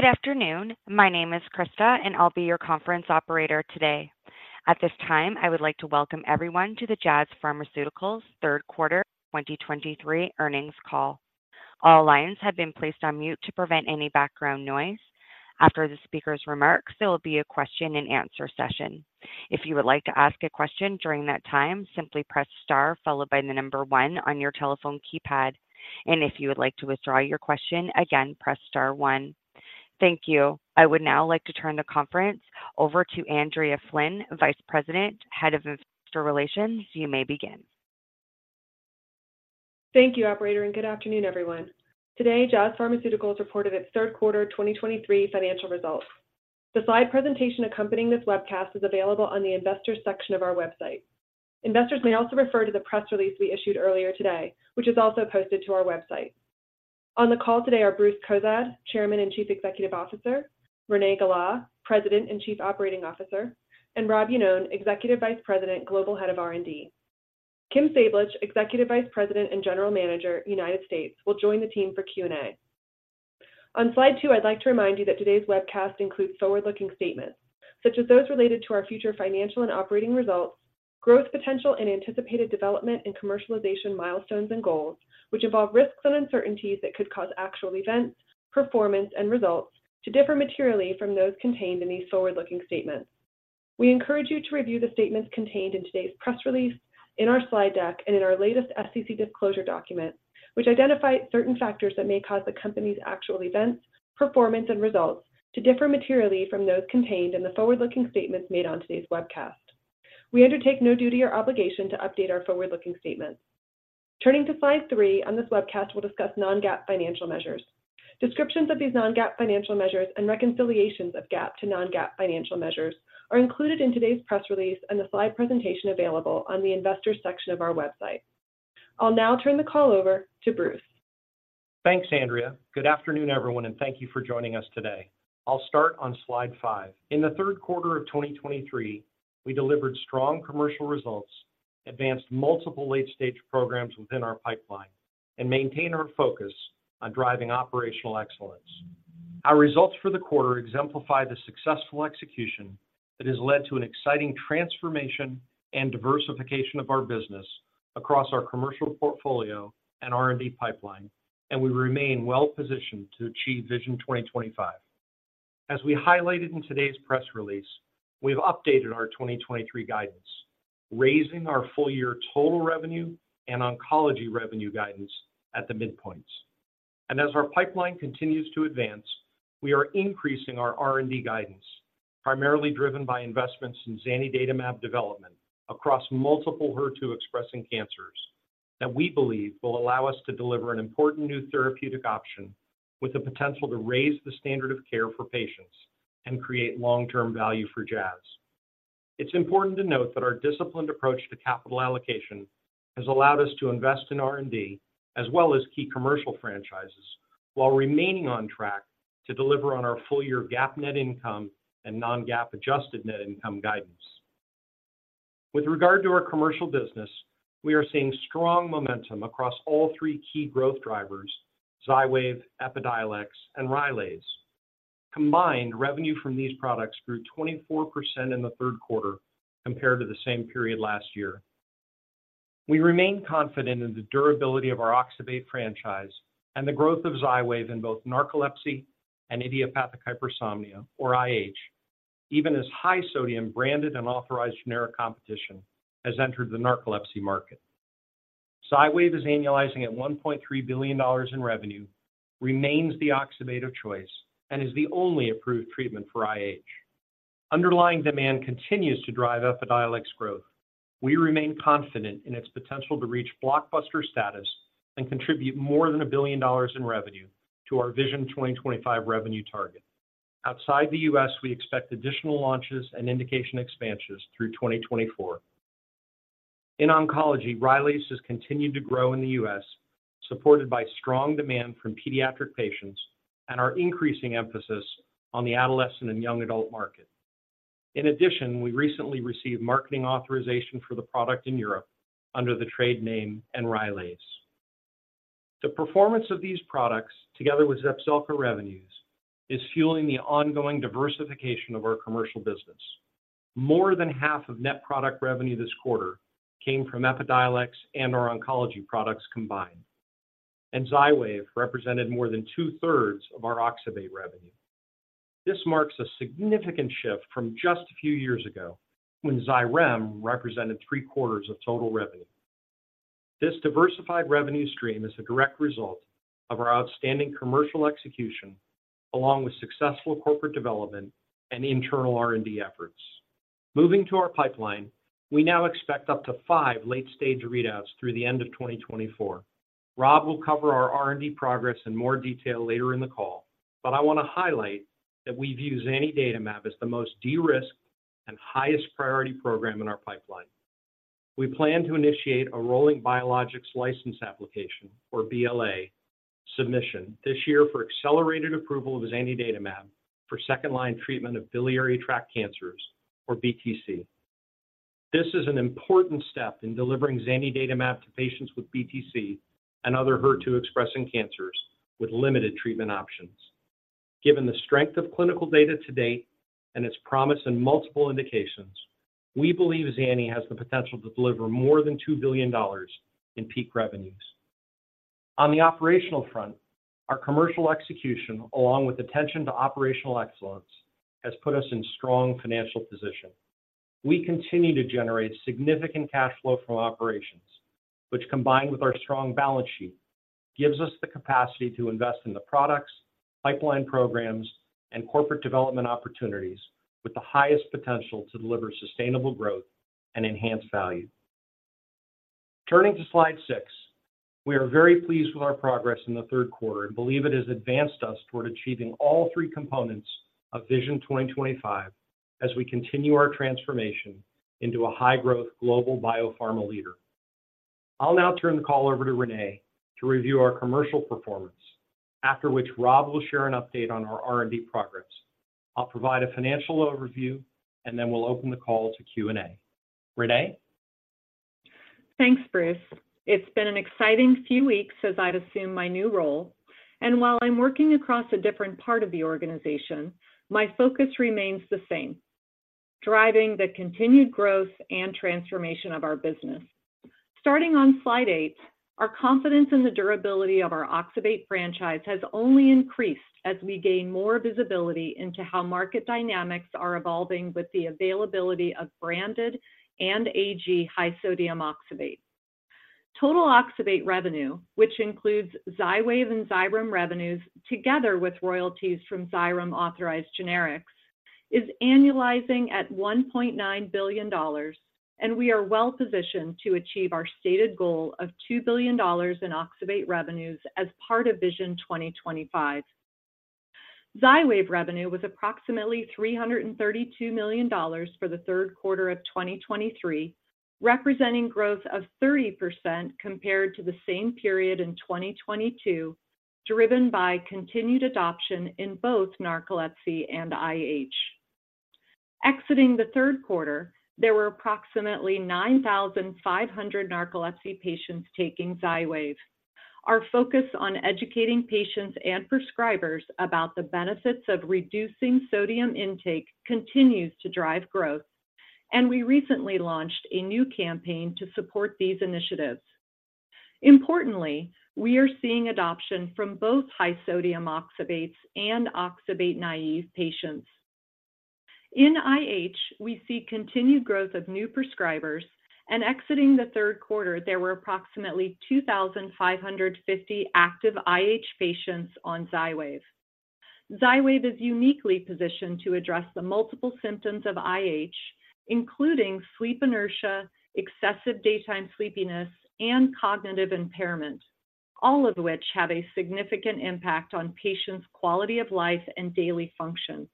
Good afternoon. My name is Krista, and I'll be your conference operator today. At this time, I would like to welcome everyone to the Jazz Pharmaceuticals Third Quarter 2023 Earnings Call. All lines have been placed on mute to prevent any background noise. After the speaker's remarks, there will be a question-and-answer session. If you would like to ask a question during that time, simply press star followed by the number one on your telephone keypad. And if you would like to withdraw your question, again, press star one. Thank you. I would now like to turn the conference over to Andrea Flynn, Vice President, Head of Investor Relations. You may begin. Thank you, operator, and good afternoon, everyone. Today, Jazz Pharmaceuticals reported its Third Quarter 2023 Financial results. The slide presentation accompanying this webcast is available on the Investors section of our website. Investors may also refer to the press release we issued earlier today, which is also posted to our website. On the call today are Bruce Cozadd, Chairman and Chief Executive Officer. Renee Gala, President and Chief Operating Officer. And Rob Iannone, Executive Vice President, Global Head of R&D. Kim Sablich, Executive Vice President and General Manager, United States, will join the team for Q&A. On slide two, I'd like to remind you that today's webcast includes forward-looking statements, such as those related to our future financial and operating results, growth potential, and anticipated development and commercialization milestones and goals, which involve risks and uncertainties that could cause actual events, performance, and results to differ materially from those contained in these forward-looking statements. We encourage you to review the statements contained in today's press release, in our slide deck, and in our latest SEC disclosure document, which identify certain factors that may cause the company's actual events, performance, and results to differ materially from those contained in the forward-looking statements made on today's webcast. We undertake no duty or obligation to update our forward-looking statements. Turning to slide three, on this webcast, we'll discuss non-GAAP financial measures. Descriptions of these non-GAAP financial measures and reconciliations of GAAP to non-GAAP financial measures are included in today's press release and the slide presentation available on the Investors section of our website. I'll now turn the call over to Bruce. Thanks, Andrea. Good afternoon, everyone, and thank you for joining us today. I'll start on slide five. In the third quarter of 2023, we delivered strong commercial results, advanced multiple late-stage programs within our pipeline, and maintained our focus on driving operational excellence. Our results for the quarter exemplify the successful execution that has led to an exciting transformation and diversification of our business across our commercial portfolio and R&D pipeline, and we remain well positioned to achieve Vision 2025. As we highlighted in today's press release, we've updated our 2023 guidance, raising our full-year total revenue and oncology revenue guidance at the midpoints. As our pipeline continues to advance, we are increasing our R&D guidance, primarily driven by investments in zanidatamab development across multiple HER2-expressing cancers that we believe will allow us to deliver an important new therapeutic option with the potential to raise the standard of care for patients and create long-term value for Jazz. It's important to note that our disciplined approach to capital allocation has allowed us to invest in R&D as well as key commercial franchises, while remaining on track to deliver on our full-year GAAP net income and non-GAAP adjusted net income guidance. With regard to our commercial business, we are seeing strong momentum across all three key growth drivers: Xywav, Epidiolex, and Rylaze. Combined, revenue from these products grew 24% in the third quarter compared to the same period last year. We remain confident in the durability of our oxybate franchise and the growth of XYWAV in both narcolepsy and idiopathic hypersomnia, or IH, even as high-sodium branded and authorized generic competition has entered the narcolepsy market. XYWAV is annualizing at $1.3 billion in revenue, remains the oxybate of choice and is the only approved treatment for IH. Underlying demand continues to drive Epidiolex growth. We remain confident in its potential to reach blockbuster status and contribute more than $1 billion in revenue to our Vision 2025 revenue target. Outside the U.S., we expect additional launches and indication expansions through 2024. In oncology, Rylaze has continued to grow in the U.S., supported by strong demand from pediatric patients and our increasing emphasis on the adolescent and young adult market. In addition, we recently received marketing authorization for the product in Europe under the trade name Enrylaze. The performance of these products, together with Zepzelca revenues, is fueling the ongoing diversification of our commercial business. More than half of net product revenue this quarter came from Epidiolex and our oncology products combined, and XYWAV represented more than two-thirds of our oxybate revenue. This marks a significant shift from just a few years ago, when Xyrem represented three-quarters of total revenue. This diversified revenue stream is a direct result of our outstanding commercial execution, along with successful corporate development and internal R&D efforts. Moving to our pipeline, we now expect up to five late-stage readouts through the end of 2024. Rob will cover our R&D progress in more detail later in the call, but I want to highlight that we view zanidatamab as the most de-risked and highest priority program in our pipeline. We plan to initiate a rolling biologics license application, or BLA, submission this year for accelerated approval of zanidatamab for second-line treatment of biliary tract cancers, or BTC. This is an important step in delivering zanidatamab to patients with BTC and other HER2-expressing cancers with limited treatment options. Given the strength of clinical data to date and its promise in multiple indications, we believe zanidatamab has the potential to deliver more than $2 billion in peak revenues. On the operational front, our commercial execution, along with attention to operational excellence, has put us in strong financial position. We continue to generate significant cash flow from operations, which, combined with our strong balance sheet, gives us the capacity to invest in the products, pipeline programs, and corporate development opportunities with the highest potential to deliver sustainable growth and enhance value. Turning to slide 6, we are very pleased with our progress in the third quarter and believe it has advanced us toward achieving all three components of Vision 2025 as we continue our transformation into a high-growth global biopharma leader. I'll now turn the call over to Renee to review our commercial performance, after which Rob will share an update on our R&D progress. I'll provide a financial overview, and then we'll open the call to Q&A. Renee? Thanks, Bruce. It's been an exciting few weeks as I've assumed my new role, and while I'm working across a different part of the organization, my focus remains the same: driving the continued growth and transformation of our business. Starting on slide eight, our confidence in the durability of our Oxbate franchise has only increased as we gain more visibility into how market dynamics are evolving with the availability of branded and AG high sodium oxbate. Total Oxbate revenue, which includes XYWAV and Xyrem revenues, together with royalties from Xyrem-authorized generics, is annualizing at $1.9 billion, and we are well positioned to achieve our stated goal of $2 billion in Oxbate revenues as part of Vision 2025. XYWAV revenue was approximately $332 million for the third quarter of 2023, representing growth of 30% compared to the same period in 2022, driven by continued adoption in both narcolepsy and IH. Exiting the third quarter, there were approximately 9,500 narcolepsy patients taking XYWAV. Our focus on educating patients and prescribers about the benefits of reducing sodium intake continues to drive growth, and we recently launched a new campaign to support these initiatives. Importantly, we are seeing adoption from both high-sodium oxybates and oxybate-naive patients. In IH, we see continued growth of new prescribers, and exiting the third quarter, there were approximately 2,550 active IH patients on XYWAV. XYWAV is uniquely positioned to address the multiple symptoms of IH, including sleep inertia, excessive daytime sleepiness, and cognitive impairment, all of which have a significant impact on patients' quality of life and daily function.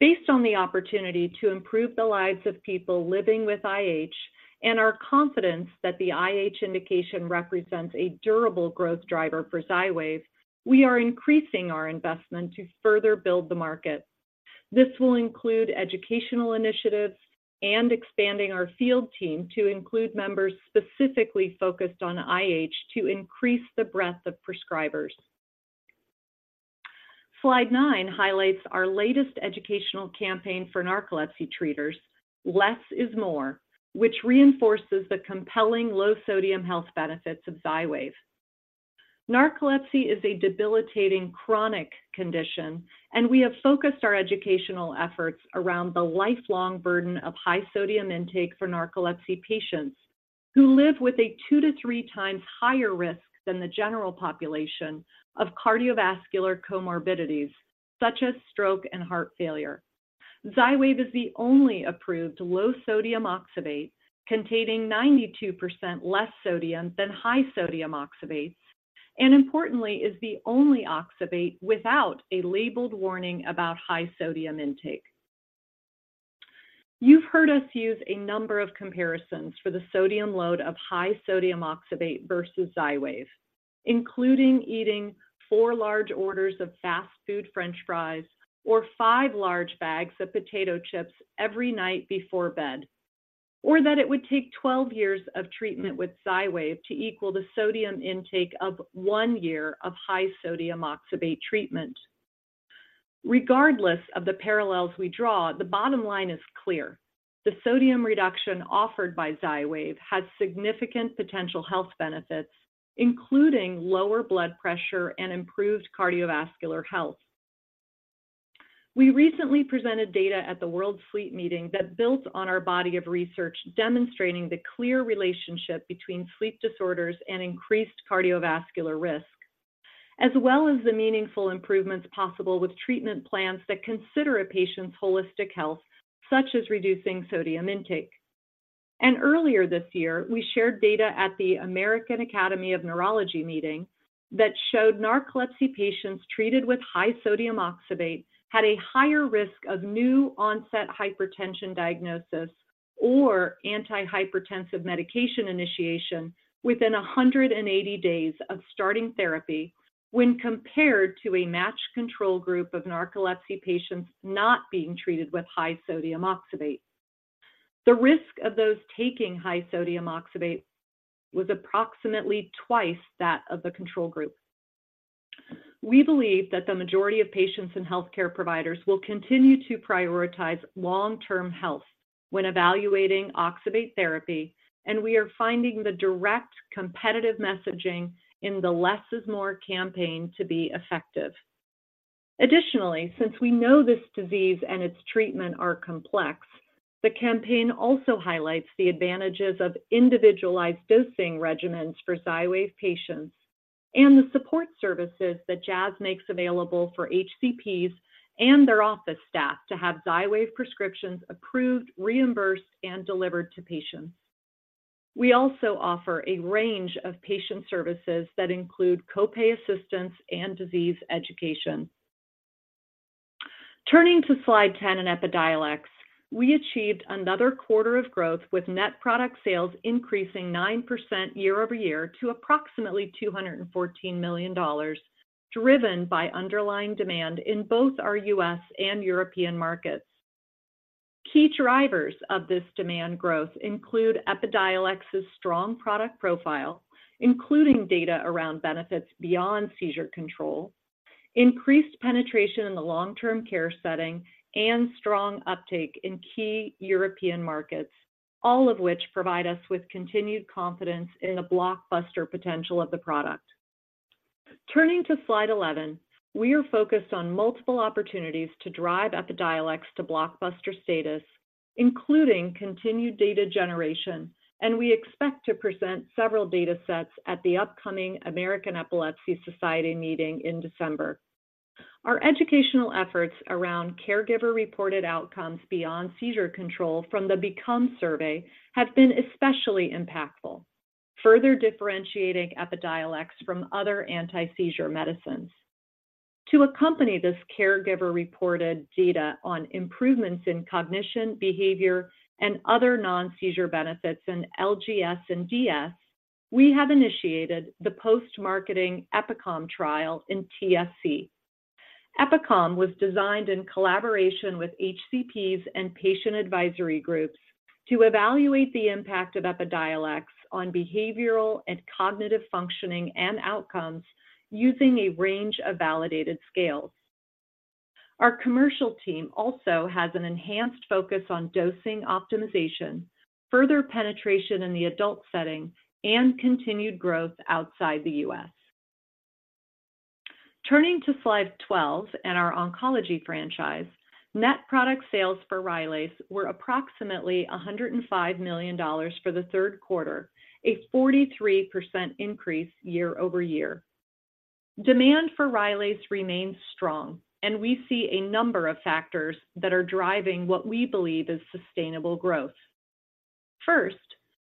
Based on the opportunity to improve the lives of people living with IH and our confidence that the IH indication represents a durable growth driver for XYWAV, we are increasing our investment to further build the market. This will include educational initiatives and expanding our field team to include members specifically focused on IH to increase the breadth of prescribers. Slide 9 highlights our latest educational campaign for narcolepsy treaters, Less is More, which reinforces the compelling low sodium health benefits of XYWAV. Narcolepsy is a debilitating chronic condition, and we have focused our educational efforts around the lifelong burden of high sodium intake for narcolepsy patients, who live with a 2-3 times higher risk than the general population of cardiovascular comorbidities such as stroke and heart failure. XYWAV is the only approved low-sodium oxybate, containing 92% less sodium than high-sodium oxybates, and importantly, is the only oxybate without a labeled warning about high sodium intake. You've heard us use a number of comparisons for the sodium load of high-sodium oxybate versus XYWAV, including eating 4 large orders of fast food French fries or 5 large bags of potato chips every night before bed, or that it would take 12 years of treatment with XYWAV to equal the sodium intake of 1 year of high-sodium oxybate treatment. Regardless of the parallels we draw, the bottom line is clear: the sodium reduction offered by Xywav has significant potential health benefits, including lower blood pressure and improved cardiovascular health. We recently presented data at the World Sleep Meeting that builds on our body of research, demonstrating the clear relationship between sleep disorders and increased cardiovascular risk, as well as the meaningful improvements possible with treatment plans that consider a patient's holistic health, such as reducing sodium intake. Earlier this year, we shared data at the American Academy of Neurology Meeting that showed narcolepsy patients treated with high-sodium oxybate had a higher risk of new-onset hypertension diagnosis or antihypertensive medication initiation within 180 days of starting therapy when compared to a matched control group of narcolepsy patients not being treated with high-sodium oxybate.... The risk of those taking high sodium oxybate was approximately twice that of the control group. We believe that the majority of patients and healthcare providers will continue to prioritize long-term health when evaluating oxybate therapy, and we are finding the direct competitive messaging in the Less is More campaign to be effective. Additionally, since we know this disease and its treatment are complex, the campaign also highlights the advantages of individualized dosing regimens for XYWAV patients and the support services that Jazz makes available for HCPs and their office staff to have XYWAV prescriptions approved, reimbursed, and delivered to patients. We also offer a range of patient services that include co-pay assistance and disease education. Turning to slide 10 and Epidiolex, we achieved another quarter of growth, with net product sales increasing 9% year-over-year to approximately $214 million, driven by underlying demand in both our U.S. and European markets. Key drivers of this demand growth include Epidiolex's strong product profile, including data around benefits beyond seizure control, increased penetration in the long-term care setting, and strong uptake in key European markets, all of which provide us with continued confidence in the blockbuster potential of the product. Turning to slide 11, we are focused on multiple opportunities to drive Epidiolex to blockbuster status, including continued data generation, and we expect to present several data sets at the upcoming American Epilepsy Society meeting in December. Our educational efforts around caregiver-reported outcomes beyond seizure control from the BECOME Survey have been especially impactful, further differentiating Epidiolex from other anti-seizure medicines. To accompany this caregiver-reported data on improvements in cognition, behavior, and other non-seizure benefits in LGS and DS, we have initiated the post-marketing EpiCom trial in TSC. EpiCom was designed in collaboration with HCPs and patient advisory groups to evaluate the impact of Epidiolex on behavioral and cognitive functioning and outcomes using a range of validated scales. Our commercial team also has an enhanced focus on dosing optimization, further penetration in the adult setting, and continued growth outside the U.S. Turning to slide 12 and our oncology franchise, net product sales for Rylaze were approximately $105 million for the third quarter, a 43% increase year-over-year. Demand for Rylaze remains strong, and we see a number of factors that are driving what we believe is sustainable growth. First,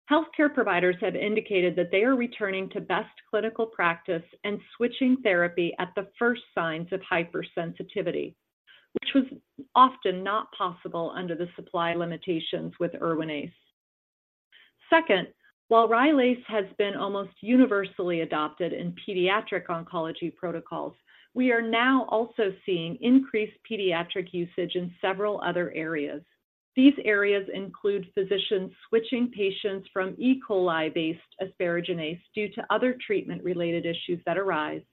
healthcare providers have indicated that they are returning to best clinical practice and switching therapy at the first signs of hypersensitivity, which was often not possible under the supply limitations with Erwinaze. Second, while Rylaze has been almost universally adopted in pediatric oncology protocols, we are now also seeing increased pediatric usage in several other areas. These areas include physicians switching patients from E. coli-based asparaginase due to other treatment-related issues that arise,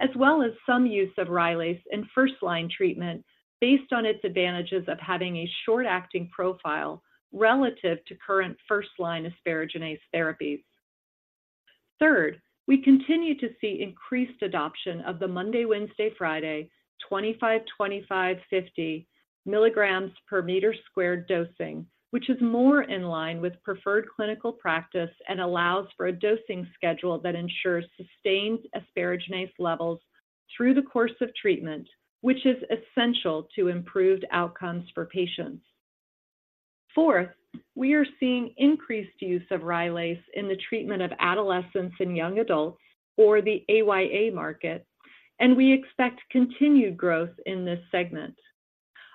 as well as some use of Rylaze in first-line treatment based on its advantages of having a short-acting profile relative to current first-line asparaginase therapies. Third, we continue to see increased adoption of the Monday, Wednesday, Friday, 25, 25, 50 milligrams per meter squared dosing, which is more in line with preferred clinical practice and allows for a dosing schedule that ensures sustained asparaginase levels through the course of treatment, which is essential to improved outcomes for patients. Fourth, we are seeing increased use of Rylaze in the treatment of adolescents and young adults, or the AYA market, and we expect continued growth in this segment.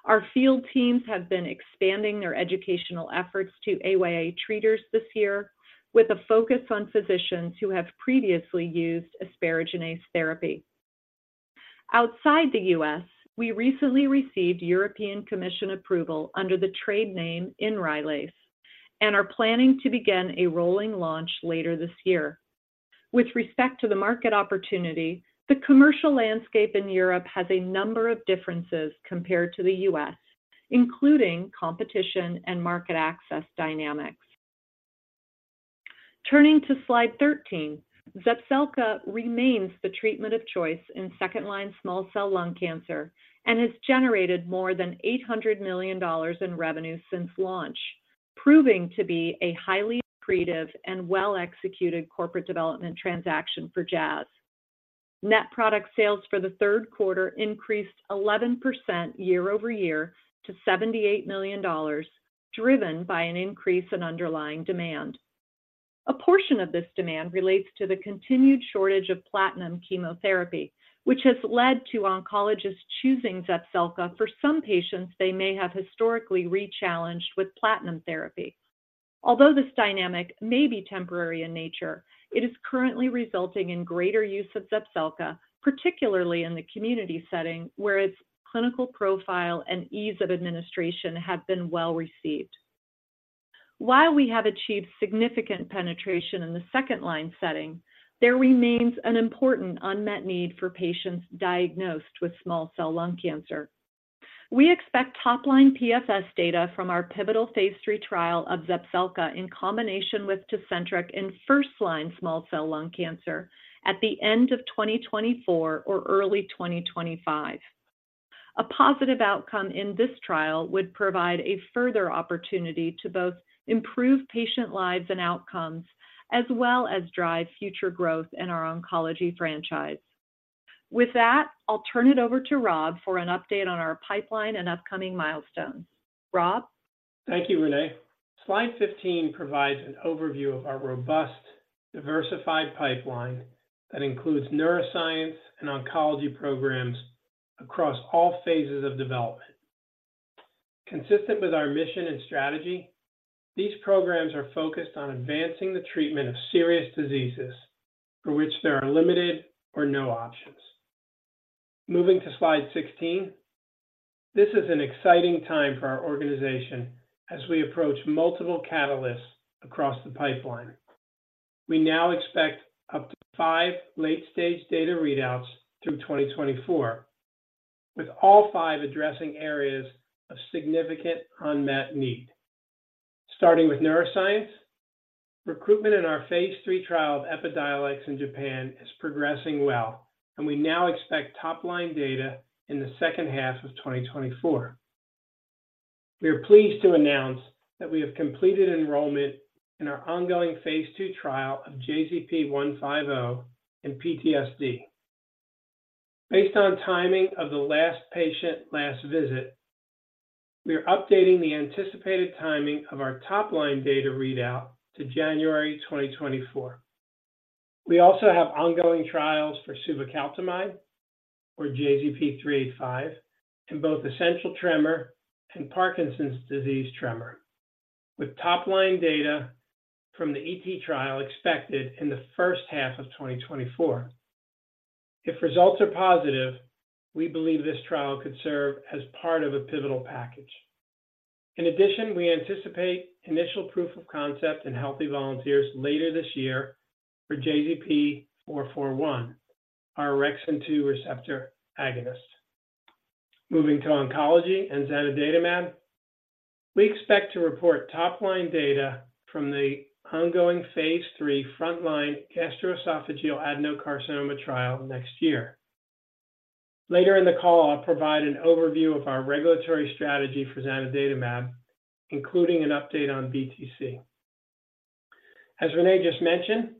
Our field teams have been expanding their educational efforts to AYA treaters this year, with a focus on physicians who have previously used asparaginase therapy. Outside the U.S., we recently received European Commission approval under the trade name Enrylaze and are planning to begin a rolling launch later this year. With respect to the market opportunity, the commercial landscape in Europe has a number of differences compared to the U.S., including competition and market access dynamics. Turning to slide 13, Zepzelca remains the treatment of choice in second-line small cell lung cancer and has generated more than $800 million in revenue since launch, proving to be a highly creative and well-executed corporate development transaction for Jazz. Net product sales for the third quarter increased 11% year-over-year to $78 million, driven by an increase in underlying demand. A portion of this demand relates to the continued shortage of platinum chemotherapy, which has led to oncologists choosing Zepzelca for some patients they may have historically rechallenged with platinum therapy.... Although this dynamic may be temporary in nature, it is currently resulting in greater use of Zepzelca, particularly in the community setting, where its clinical profile and ease of administration have been well-received. While we have achieved significant penetration in the second-line setting, there remains an important unmet need for patients diagnosed with small cell lung cancer. We expect top-line PFS data from our pivotal phase III trial of Zepzelca in combination with Tecentriq in first-line small cell lung cancer at the end of 2024 or early 2025. A positive outcome in this trial would provide a further opportunity to both improve patient lives and outcomes, as well as drive future growth in our oncology franchise. With that, I'll turn it over to Rob for an update on our pipeline and upcoming milestones. Rob? Thank you, Renee. Slide 15 provides an overview of our robust, diversified pipeline that includes neuroscience and oncology programs across all phases of development. Consistent with our mission and strategy, these programs are focused on advancing the treatment of serious diseases for which there are limited or no options. Moving to slide 16. This is an exciting time for our organization as we approach multiple catalysts across the pipeline. We now expect up to 5 late-stage data readouts through 2024, with all 5 addressing areas of significant unmet need. Starting with neuroscience, recruitment in our phase 3 trial of Epidiolex in Japan is progressing well, and we now expect top-line data in the second half of 2024. We are pleased to announce that we have completed enrollment in our ongoing phase 2 trial of JZP-150 in PTSD. Based on timing of the last patient, last visit, we are updating the anticipated timing of our top-line data readout to January 2024. We also have ongoing trials for suvecaltamide, or JZP-385, in both essential tremor and Parkinson's disease tremor, with top-line data from the ET trial expected in the first half of 2024. If results are positive, we believe this trial could serve as part of a pivotal package. In addition, we anticipate initial proof of concept in healthy volunteers later this year for JZP-441, our orexin-2 receptor agonist. Moving to oncology and zanidatamab, we expect to report top-line data from the ongoing phase 3 frontline gastroesophageal adenocarcinoma trial next year. Later in the call, I'll provide an overview of our regulatory strategy for zanidatamab, including an update on BTC. As Renee just mentioned,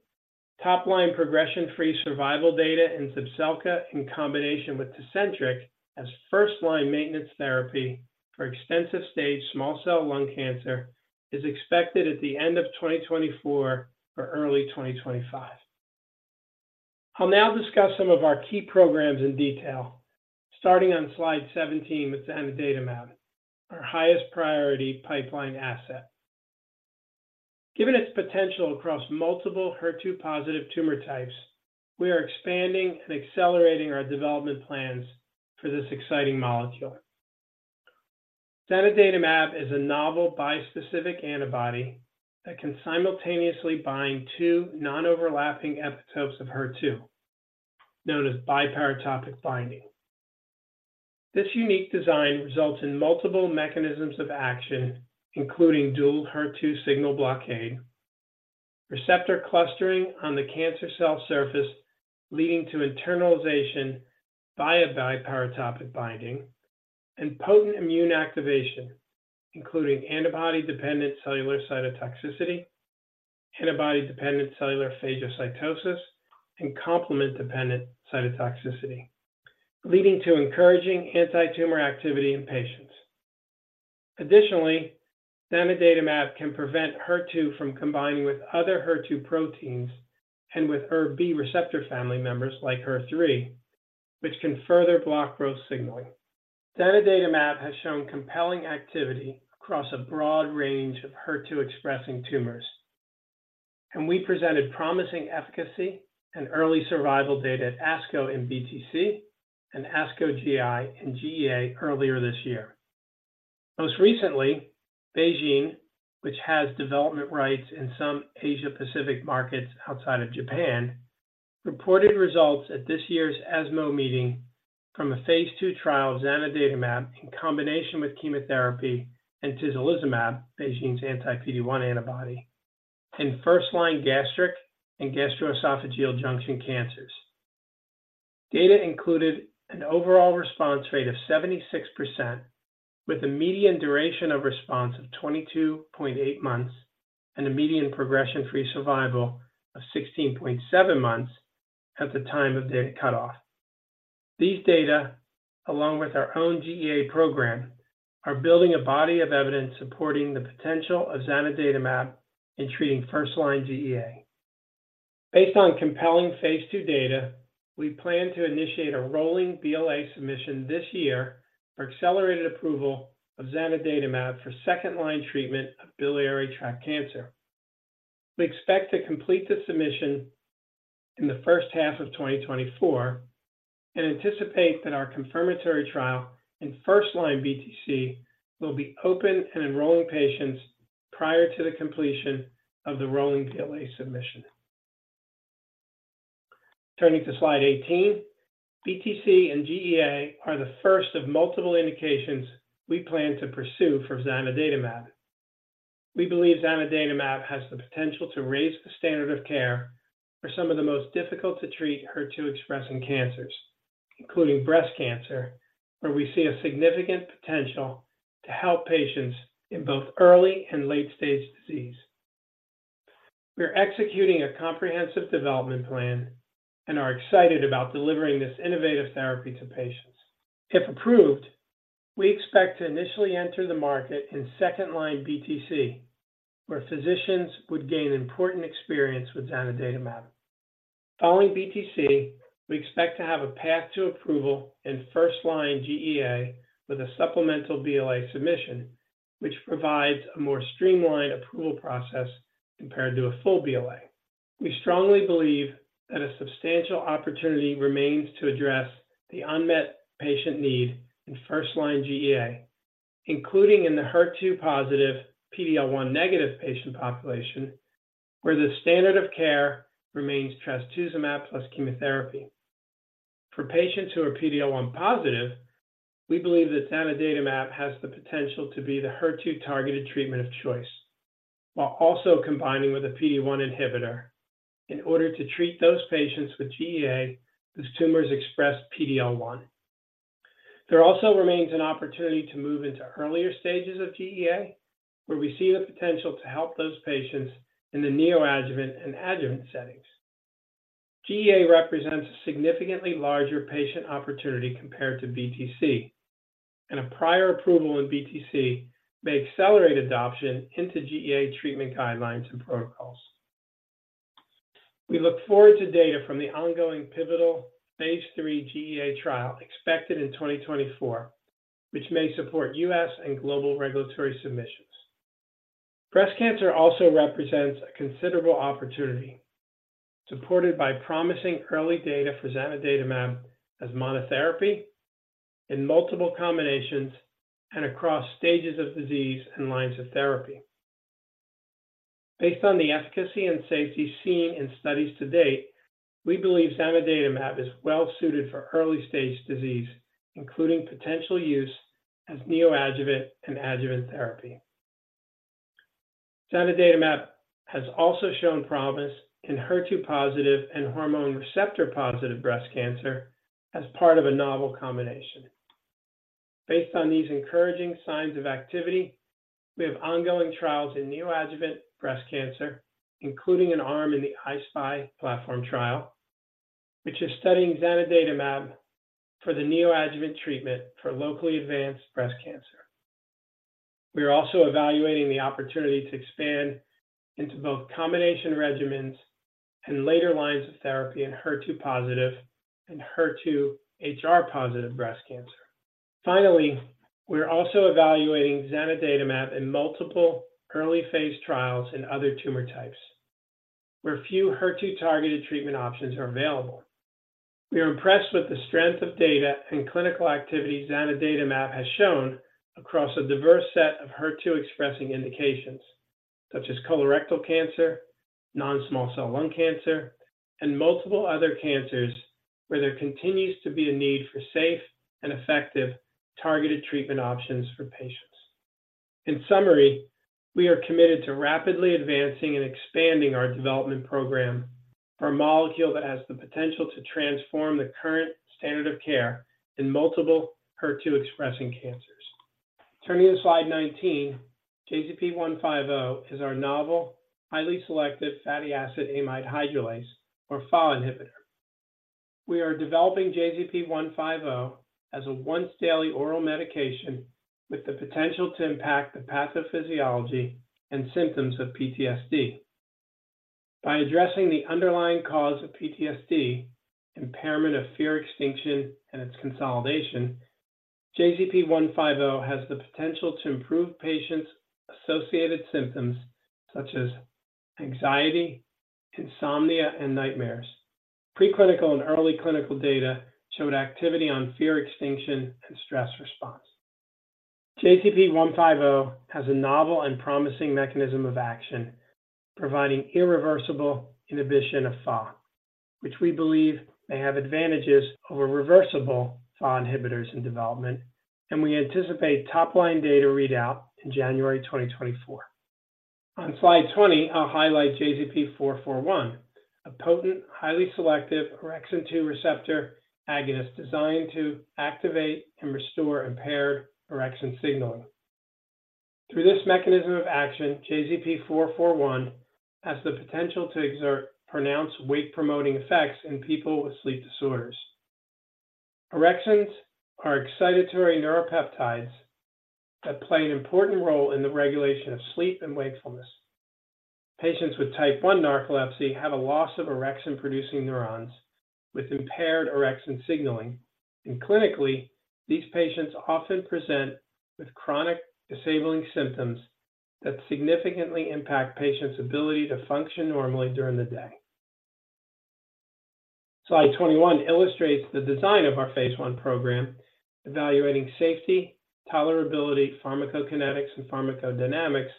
top-line progression-free survival data in Zepzelca in combination with Tecentriq as first-line maintenance therapy for extensive-stage small cell lung cancer is expected at the end of 2024 or early 2025. I'll now discuss some of our key programs in detail, starting on slide 17 with zanidatamab, our highest priority pipeline asset. Given its potential across multiple HER2-positive tumor types, we are expanding and accelerating our development plans for this exciting molecule. Zanidatamab is a novel bispecific antibody that can simultaneously bind two non-overlapping epitopes of HER2, known as biparatopic binding. This unique design results in multiple mechanisms of action, including dual HER2 signal blockade, receptor clustering on the cancer cell surface, leading to internalization via biparatopic binding, and potent immune activation, including antibody-dependent cellular cytotoxicity, antibody-dependent cellular phagocytosis, and complement-dependent cytotoxicity, leading to encouraging antitumor activity in patients. Additionally, zanidatamab can prevent HER2 from combining with other HER2 proteins and with ErbB receptor family members like HER3, which can further block growth signaling. Zanidatamab has shown compelling activity across a broad range of HER2-expressing tumors, and we presented promising efficacy and early survival data at ASCO and BTC and ASCO GI in GEA earlier this year. Most recently, BeiGene, which has development rights in some Asia-Pacific markets outside of Japan, reported results at this year's ESMO meeting from a phase II trial of zanidatamab in combination with chemotherapy and tislelizumab, BeiGene's anti-PD-1 antibody, in first-line gastric and gastroesophageal junction cancers. Data included an overall response rate of 76%, with a median duration of response of 22.8 months and a median progression-free survival of 16.7 months at the time of data cutoff. These data, along with our own GEA program, are building a body of evidence supporting the potential of zanidatamab in treating first-line GEA. Based on compelling phase 2 data, we plan to initiate a rolling BLA submission this year for accelerated approval of zanidatamab for second-line treatment of biliary tract cancer. We expect to complete the submission in the first half of 2024, and anticipate that our confirmatory trial in first-line BTC will be open and enrolling patients prior to the completion of the rolling BLA submission. Turning to slide 18, BTC and GEA are the first of multiple indications we plan to pursue for zanidatamab. We believe zanidatamab has the potential to raise the standard of care for some of the most difficult to treat HER2-expressing cancers, including breast cancer, where we see a significant potential to help patients in both early and late-stage disease. We're executing a comprehensive development plan and are excited about delivering this innovative therapy to patients. If approved, we expect to initially enter the market in second-line BTC, where physicians would gain important experience with zanidatamab. Following BTC, we expect to have a path to approval in first-line GEA with a supplemental BLA submission, which provides a more streamlined approval process compared to a full BLA. We strongly believe that a substantial opportunity remains to address the unmet patient need in first-line GEA, including in the HER2 positive, PD-L1 negative patient population, where the standard of care remains trastuzumab plus chemotherapy. For patients who are PD-L1 positive, we believe that zanidatamab has the potential to be the HER2-targeted treatment of choice, while also combining with a PD-1 inhibitor in order to treat those patients with GEA, whose tumors express PD-L1. There also remains an opportunity to move into earlier stages of GEA, where we see the potential to help those patients in the neoadjuvant and adjuvant settings. GEA represents a significantly larger patient opportunity compared to BTC, and a prior approval in BTC may accelerate adoption into GEA treatment guidelines and protocols. We look forward to data from the ongoing pivotal phase three GEA trial expected in 2024, which may support U.S. and global regulatory submissions. Breast cancer also represents a considerable opportunity, supported by promising early data for zanidatamab as monotherapy in multiple combinations and across stages of disease and lines of therapy. Based on the efficacy and safety seen in studies to date, we believe zanidatamab is well suited for early-stage disease, including potential use as neoadjuvant and adjuvant therapy. Zanidatamab has also shown promise in HER2 positive and hormone receptor-positive breast cancer as part of a novel combination. Based on these encouraging signs of activity, we have ongoing trials in neoadjuvant breast cancer, including an arm in the I-SPY platform trial, which is studying zanidatamab for the neoadjuvant treatment for locally advanced breast cancer. We are also evaluating the opportunity to expand into both combination regimens and later lines of therapy in HER2 positive and HER2/HR positive breast cancer. Finally, we are also evaluating zanidatamab in multiple early phase trials in other tumor types, where few HER2-targeted treatment options are available. We are impressed with the strength of data and clinical activity zanidatamab has shown across a diverse set of HER2-expressing indications, such as colorectal cancer, non-small cell lung cancer, and multiple other cancers, where there continues to be a need for safe and effective targeted treatment options for patients. In summary, we are committed to rapidly advancing and expanding our development program for a molecule that has the potential to transform the current standard of care in multiple HER2-expressing cancers. Turning to slide 19, JZP-150 is our novel, highly selective fatty acid amide hydrolase or FAAH inhibitor. We are developing JZP-150 as a once-daily oral medication with the potential to impact the pathophysiology and symptoms of PTSD. By addressing the underlying cause of PTSD, impairment of fear extinction, and its consolidation, JZP-150 has the potential to improve patients' associated symptoms such as anxiety, insomnia, and nightmares. Preclinical and early clinical data showed activity on fear extinction and stress response. JZP-150 has a novel and promising mechanism of action, providing irreversible inhibition of FAAH, which we believe may have advantages over reversible FAAH inhibitors in development, and we anticipate top-line data readout in January 2024. On slide 20, I'll highlight JZP-441, a potent, highly selective orexin-2 receptor agonist designed to activate and restore impaired orexin signaling. Through this mechanism of action, JZP-441 has the potential to exert pronounced wake-promoting effects in people with sleep disorders.... Orexins are excitatory neuropeptides that play an important role in the regulation of sleep and wakefulness. Patients with type 1 narcolepsy have a loss of orexin-producing neurons with impaired orexin signaling. Clinically, these patients often present with chronic disabling symptoms that significantly impact patients' ability to function normally during the day. Slide 21 illustrates the design of our phase 1 program, evaluating safety, tolerability, pharmacokinetics, and pharmacodynamics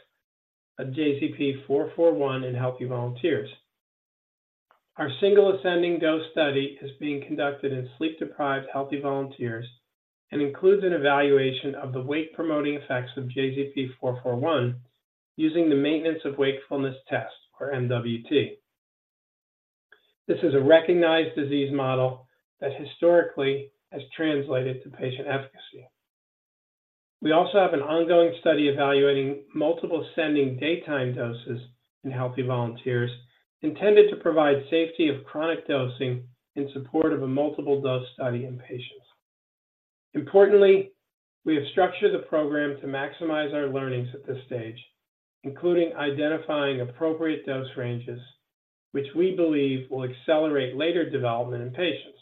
of JZP441 in healthy volunteers. Our single ascending dose study is being conducted in sleep-deprived, healthy volunteers, and includes an evaluation of the wake-promoting effects of JZP-441 using the Maintenance of Wakefulness Test, or MWT. This is a recognized disease model that historically has translated to patient efficacy. We also have an ongoing study evaluating multiple ascending daytime doses in healthy volunteers, intended to provide safety of chronic dosing in support of a multiple dose study in patients. Importantly, we have structured the program to maximize our learnings at this stage, including identifying appropriate dose ranges, which we believe will accelerate later development in patients.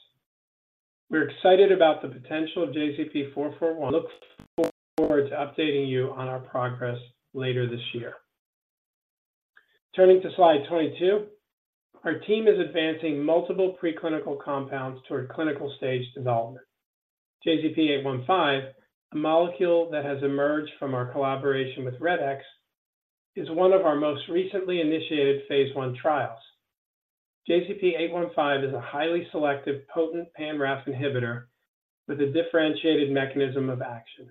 We're excited about the potential of JZP441 and look forward to updating you on our progress later this year. Turning to slide 22, our team is advancing multiple preclinical compounds toward clinical stage development. JZP-815, a molecule that has emerged from our collaboration with Redx, is one of our most recently initiated phase 1 trials. JZP-815 is a highly selective, potent pan-RAF inhibitor with a differentiated mechanism of action.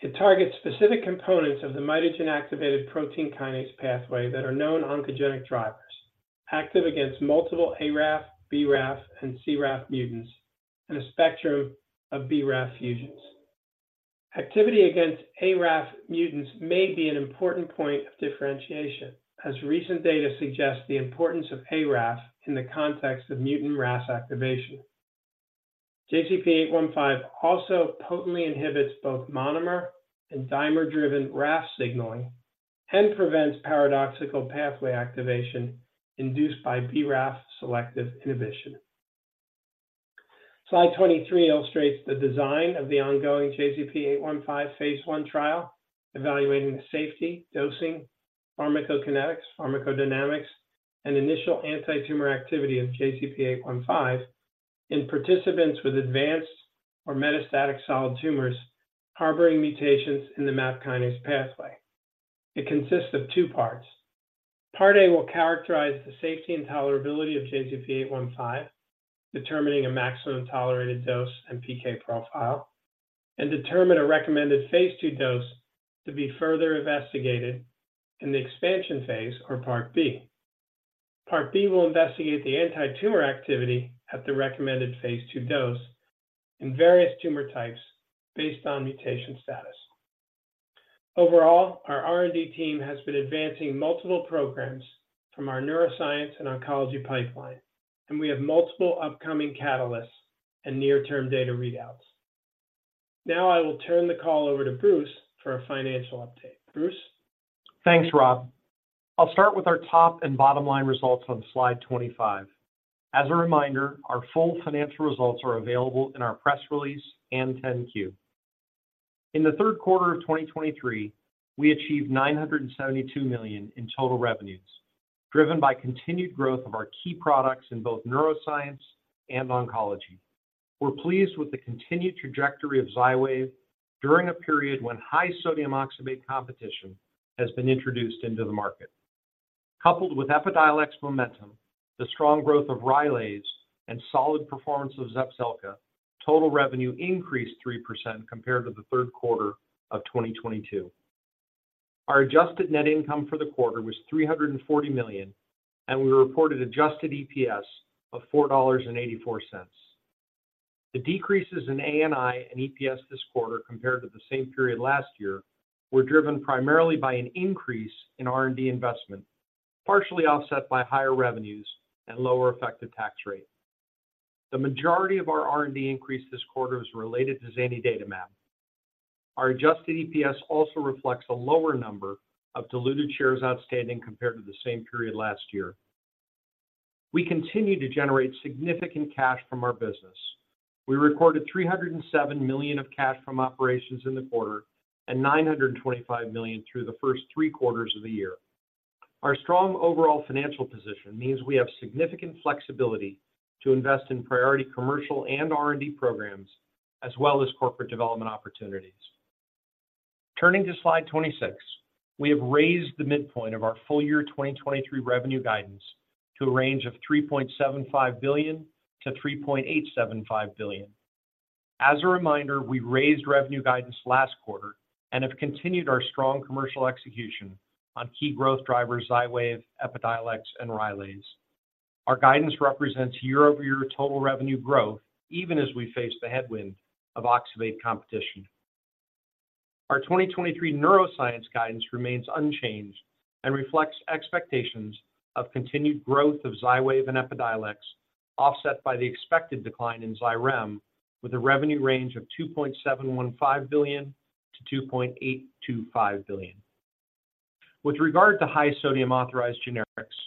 It targets specific components of the mitogen-activated protein kinase pathway that are known oncogenic drivers, active against multiple A-RAF, B-RAF, and C-RAF mutants, and a spectrum of B-RAF fusions. Activity against A-RAF mutants may be an important point of differentiation, as recent data suggests the importance of A-RAF in the context of mutant RAF activation. JZP-815 also potently inhibits both monomer and dimer-driven RAF signaling and prevents paradoxical pathway activation induced by B-RAF selective inhibition. Slide 23 illustrates the design of the ongoing JZP-815 phase one trial, evaluating the safety, dosing, pharmacokinetics, pharmacodynamics, and initial antitumor activity of JZP-815 in participants with advanced or metastatic solid tumors harboring mutations in the MAP kinase pathway. It consists of two parts. Part A will characterize the safety and tolerability of JZP-815, determining a maximum tolerated dose and PK profile, and determine a recommended phase two dose to be further investigated in the expansion phase or part B. Part B will investigate the antitumor activity at the recommended phase two dose in various tumor types based on mutation status. Overall, our R&D team has been advancing multiple programs from our neuroscience and oncology pipeline, and we have multiple upcoming catalysts and near-term data readouts. Now I will turn the call over to Bruce for a financial update. Bruce? Thanks, Rob. I'll start with our top and bottom line results on slide 25. As a reminder, our full financial results are available in our press release and 10-Q. In the third quarter of 2023, we achieved $972 million in total revenues, driven by continued growth of our key products in both neuroscience and oncology. We're pleased with the continued trajectory of XYWAV during a period when high-sodium oxybate competition has been introduced into the market. Coupled with Epidiolex momentum, the strong growth of Rylaze, and solid performance of Zepzelca, total revenue increased 3% compared to the third quarter of 2022. Our adjusted net income for the quarter was $340 million, and we reported adjusted EPS of $4.84. The decreases in ANI and EPS this quarter, compared to the same period last year, were driven primarily by an increase in R&D investment, partially offset by higher revenues and lower effective tax rate. The majority of our R&D increase this quarter is related to zanidatamab. Our adjusted EPS also reflects a lower number of diluted shares outstanding compared to the same period last year. We continue to generate significant cash from our business. We recorded $307 million of cash from operations in the quarter and $925 million through the first three quarters of the year. Our strong overall financial position means we have significant flexibility to invest in priority commercial and R&D programs, as well as corporate development opportunities. Turning to slide 26, we have raised the midpoint of our full year 2023 revenue guidance to a range of $3.75 billion-$3.875 billion. As a reminder, we raised revenue guidance last quarter and have continued our strong commercial execution on key growth drivers, XYWAV, Epidiolex, and Rylaze. Our guidance represents year-over-year total revenue growth, even as we face the headwind of oxybate competition.... Our 2023 neuroscience guidance remains unchanged and reflects expectations of continued growth of XYWAV and Epidiolex, offset by the expected decline in Xyrem, with a revenue range of $2.715 billion-$2.825 billion. With regard to high-sodium authorized generics,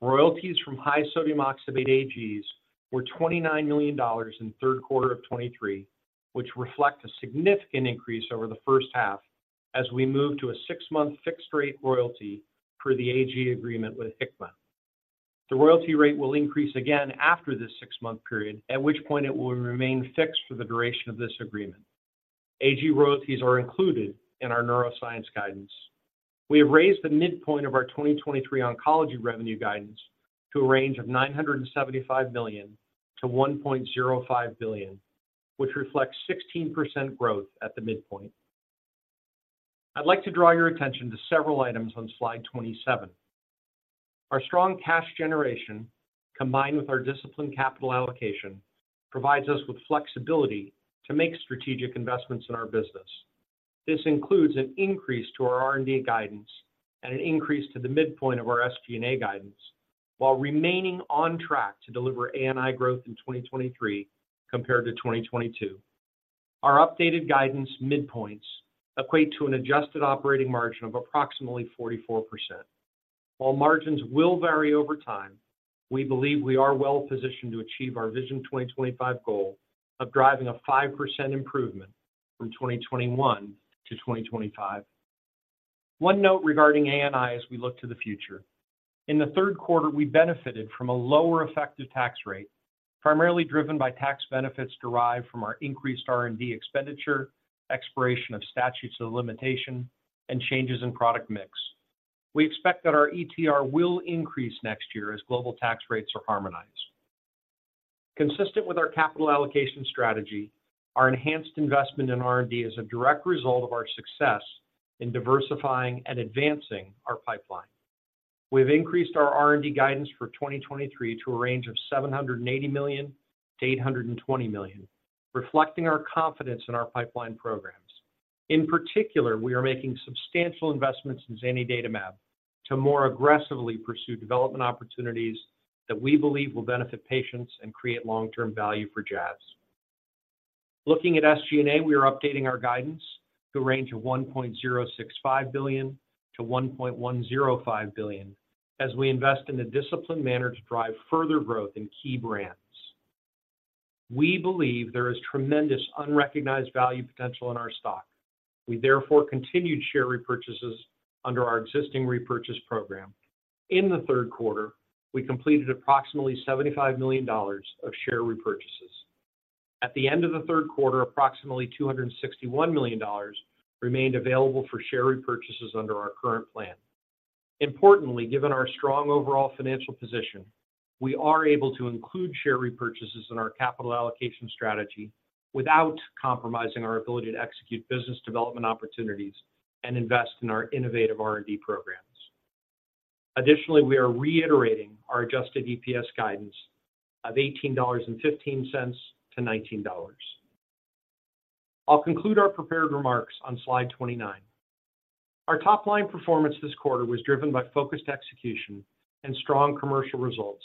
royalties from high-sodium oxybate AGs were $29 million in the third quarter of 2023, which reflect a significant increase over the first half as we move to a six-month fixed-rate royalty for the AG agreement with Hikma. The royalty rate will increase again after this six-month period, at which point it will remain fixed for the duration of this agreement. AG royalties are included in our neuroscience guidance. We have raised the midpoint of our 2023 oncology revenue guidance to a range of $975 million-$1.05 billion, which reflects 16% growth at the midpoint. I'd like to draw your attention to several items on slide 27. Our strong cash generation, combined with our disciplined capital allocation, provides us with flexibility to make strategic investments in our business. This includes an increase to our R&D guidance and an increase to the midpoint of our SG&A guidance, while remaining on track to deliver ANI growth in 2023 compared to 2022. Our updated guidance midpoints equate to an adjusted operating margin of approximately 44%. While margins will vary over time, we believe we are well positioned to achieve our Vision 2025 goal of driving a 5% improvement from 2021 to 2025. One note regarding ANI as we look to the future. In the third quarter, we benefited from a lower effective tax rate, primarily driven by tax benefits derived from our increased R&D expenditure, expiration of statutes of limitation, and changes in product mix. We expect that our ETR will increase next year as global tax rates are harmonized. Consistent with our capital allocation strategy, our enhanced investment in R&D is a direct result of our success in diversifying and advancing our pipeline. We've increased our R&D guidance for 2023 to a range of $780 million-$820 million, reflecting our confidence in our pipeline programs. In particular, we are making substantial investments in zanidatamab to more aggressively pursue development opportunities that we believe will benefit patients and create long-term value for Jazz. Looking at SG&A, we are updating our guidance to a range of $1.065 billion-$1.105 billion as we invest in a disciplined manner to drive further growth in key brands. We believe there is tremendous unrecognized value potential in our stock. We therefore continued share repurchases under our existing repurchase program. In the third quarter, we completed approximately $75 million of share repurchases. At the end of the third quarter, approximately $261 million remained available for share repurchases under our current plan. Importantly, given our strong overall financial position, we are able to include share repurchases in our capital allocation strategy without compromising our ability to execute business development opportunities and invest in our innovative R&D programs. Additionally, we are reiterating our adjusted EPS guidance of $18.15-$19. I'll conclude our prepared remarks on slide 29. Our top-line performance this quarter was driven by focused execution and strong commercial results,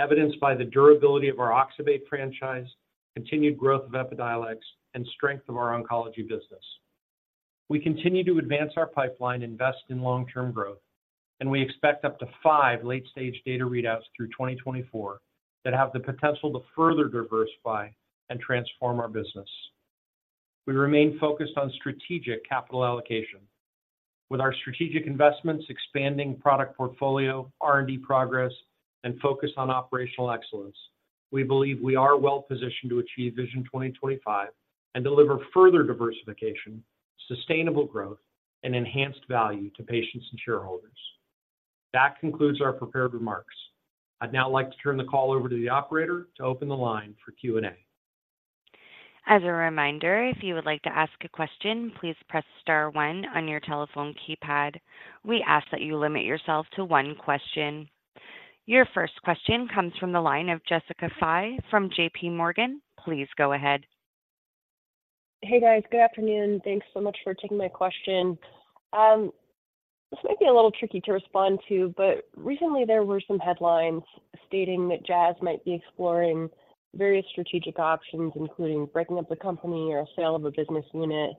evidenced by the durability of our oxybate franchise, continued growth of Epidiolex, and strength of our oncology business. We continue to advance our pipeline, invest in long-term growth, and we expect up to 5 late-stage data readouts through 2024 that have the potential to further diversify and transform our business. We remain focused on strategic capital allocation. With our strategic investments, expanding product portfolio, R&D progress, and focus on operational excellence, we believe we are well positioned to achieve Vision 2025 and deliver further diversification, sustainable growth, and enhanced value to patients and shareholders. That concludes our prepared remarks. I'd now like to turn the call over to the operator to open the line for Q&A. As a reminder, if you would like to ask a question, please press star one on your telephone keypad. We ask that you limit yourself to one question. Your first question comes from the line of Jessica Fye from JPMorgan. Please go ahead. Hey, guys. Good afternoon. Thanks so much for taking my question. This might be a little tricky to respond to, but recently there were some headlines stating that Jazz might be exploring various strategic options, including breaking up the company or a sale of a business unit.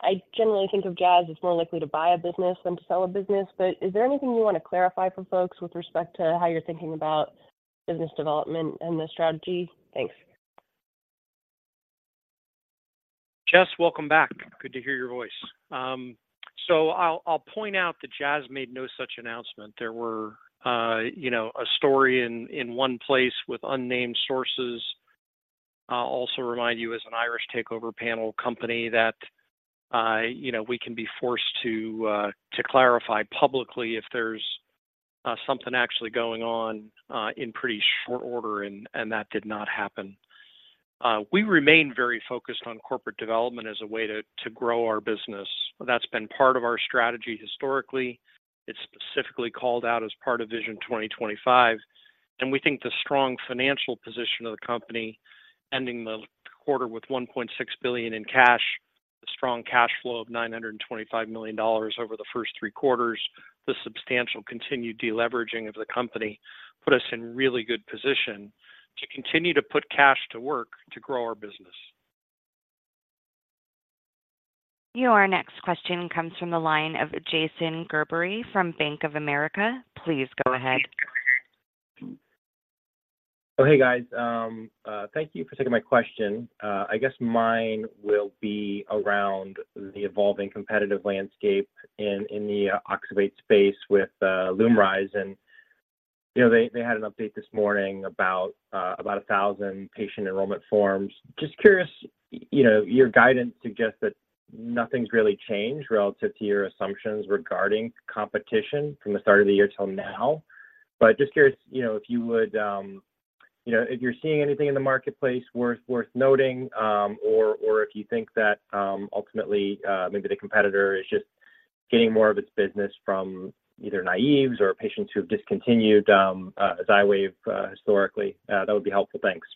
I generally think of Jazz as more likely to buy a business than to sell a business, but is there anything you want to clarify for folks with respect to how you're thinking about business development and the strategy? Thanks. Jess, welcome back. Good to hear your voice. So I'll point out that Jazz made no such announcement. There were, you know, a story in one place with unnamed sources. I'll also remind you, as an Irish Takeover Panel company, that you know, we can be forced to clarify publicly if there's something actually going on in pretty short order, and that did not happen. We remain very focused on corporate development as a way to grow our business. That's been part of our strategy historically. It's specifically called out as part of Vision 2025, and we think the strong financial position of the company, ending the quarter with $1.6 billion in cash-... strong cash flow of $925 million over the first three quarters. The substantial continued deleveraging of the company put us in really good position to continue to put cash to work to grow our business. Your next question comes from the line of Jason Gerberry from Bank of America. Please go ahead. Oh, hey, guys. Thank you for taking my question. I guess mine will be around the evolving competitive landscape in the oxybate space with Lumryz. And, you know, they had an update this morning about 1,000 patient enrollment forms. Just curious, you know, your guidance suggests that nothing's really changed relative to your assumptions regarding competition from the start of the year till now. But just curious, you know, if you would, you know, if you're seeing anything in the marketplace worth noting, or if you think that ultimately maybe the competitor is just getting more of its business from either naives or patients who have discontinued XYWAV historically, that would be helpful. Thanks.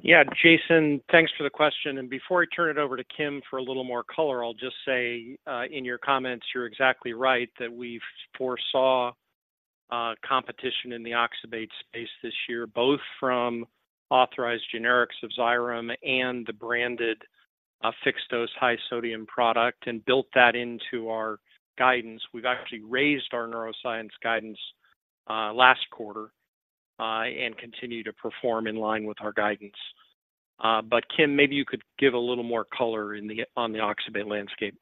Yeah, Jason, thanks for the question, and before I turn it over to Kim for a little more color, I'll just say, in your comments, you're exactly right, that we foresaw, competition in the oxybate space this year, both from authorized generics of Xyrem and the branded, fixed-dose high sodium product, and built that into our guidance. We've actually raised our neuroscience guidance, last quarter, and continue to perform in line with our guidance. But Kim, maybe you could give a little more color on the oxybate landscape.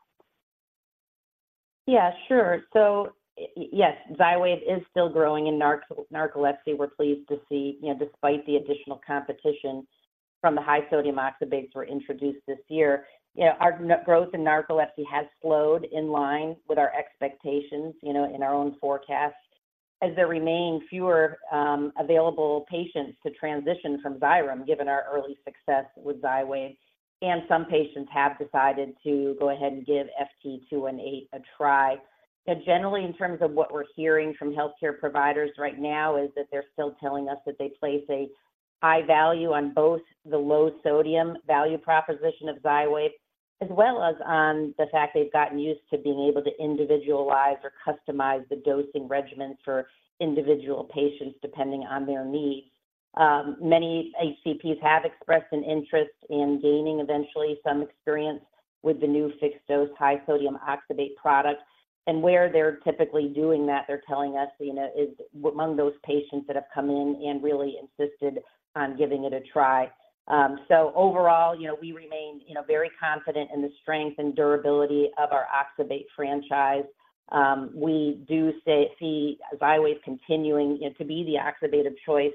Yeah, sure. So yes, XYWAV is still growing in narcolepsy. We're pleased to see, you know, despite the additional competition from the high sodium oxybates were introduced this year. You know, our growth in narcolepsy has slowed in line with our expectations, you know, in our own forecast, as there remain fewer available patients to transition from Xyrem, given our early success with XYWAV. And some patients have decided to go ahead and give FT-218 a try. And generally, in terms of what we're hearing from healthcare providers right now, is that they're still telling us that they place a high value on both the low sodium value proposition of XYWAV, as well as on the fact they've gotten used to being able to individualize or customize the dosing regimen for individual patients, depending on their needs. Many HCPs have expressed an interest in gaining eventually some experience with the new fixed-dose high sodium oxybate product. And where they're typically doing that, they're telling us, you know, is among those patients that have come in and really insisted on giving it a try. So overall, you know, we remain, you know, very confident in the strength and durability of our oxybate franchise. We do see XYWAV continuing to be the oxybate of choice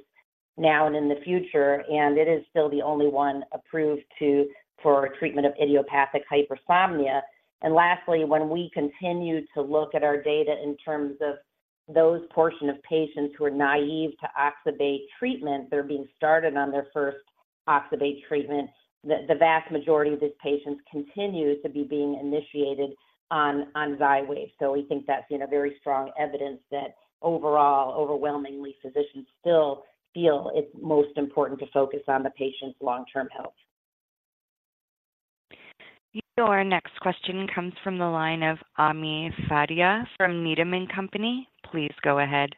now and in the future, and it is still the only one approved to—for treatment of idiopathic hypersomnia. And lastly, when we continue to look at our data in terms of those portion of patients who are naive to oxybate treatment, they're being started on their first oxybate treatment, the vast majority of these patients continue to be being initiated on XYWAV. We think that's, you know, very strong evidence that overall, overwhelmingly, physicians still feel it's most important to focus on the patient's long-term health. Your next question comes from the line of Ami Fadia from Needham & Company. Please go ahead.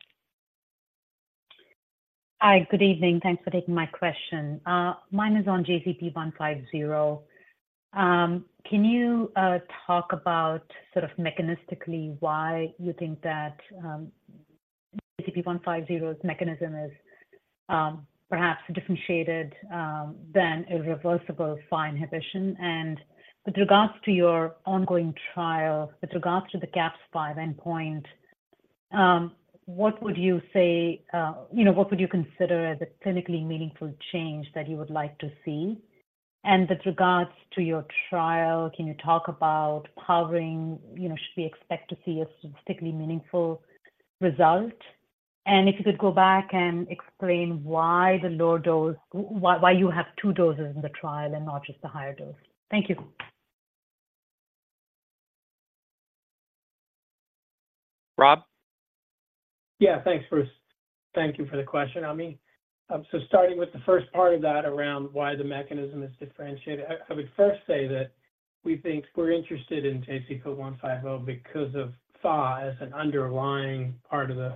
Hi, good evening. Thanks for taking my question. Mine is on JZP-150. Can you talk about sort of mechanistically why you think that JZP-150's mechanism is perhaps differentiated than irreversible FAAH inhibition? And with regards to your ongoing trial, with regards to the CAPS-5 endpoint, what would you say, you know, what would you consider as a clinically meaningful change that you would like to see? And with regards to your trial, can you talk about powering? You know, should we expect to see a statistically meaningful result? And if you could go back and explain why the lower dose—why you have two doses in the trial and not just the higher dose? Thank you. Rob? Yeah. Thanks, Bruce. Thank you for the question, Ami. So starting with the first part of that around why the mechanism is differentiated, I would first say that we think we're interested in JZP-150 because of FAAH as an underlying part of the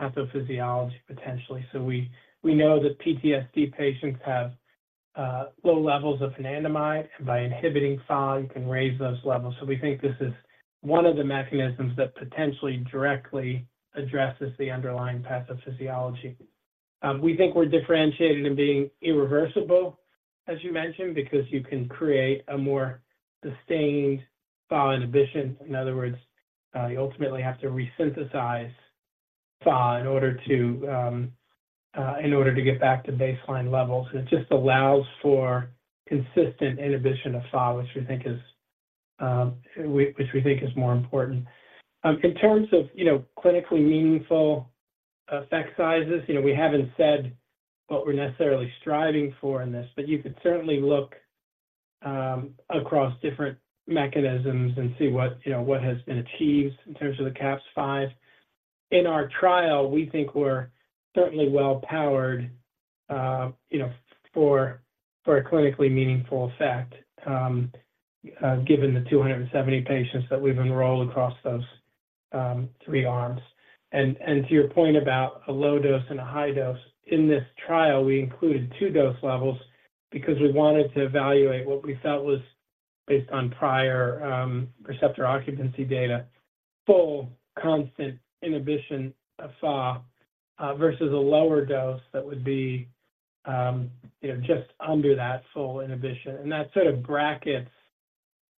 pathophysiology, potentially. So we know that PTSD patients have low levels of anandamide, and by inhibiting FAAH, you can raise those levels. So we think this is one of the mechanisms that potentially directly addresses the underlying pathophysiology. We think we're differentiated in being irreversible, as you mentioned, because you can create a more sustained FAAH inhibition. In other words, you ultimately have to resynthesize FAAH in order to get back to baseline levels. It just allows for consistent inhibition of FAAH, which we think is more important. In terms of, you know, clinically meaningful effect sizes, you know, we haven't said what we're necessarily striving for in this. But you could certainly look across different mechanisms and see what, you know, what has been achieved in terms of the CAPS-5. In our trial, we think we're certainly well-powered, you know, for a clinically meaningful effect, given the 270 patients that we've enrolled across those three arms. And to your point about a low dose and a high dose, in this trial, we included two dose levels because we wanted to evaluate what we felt was based on prior receptor occupancy data, full constant inhibition of FA versus a lower dose that would be, you know, just under that full inhibition. That sort of brackets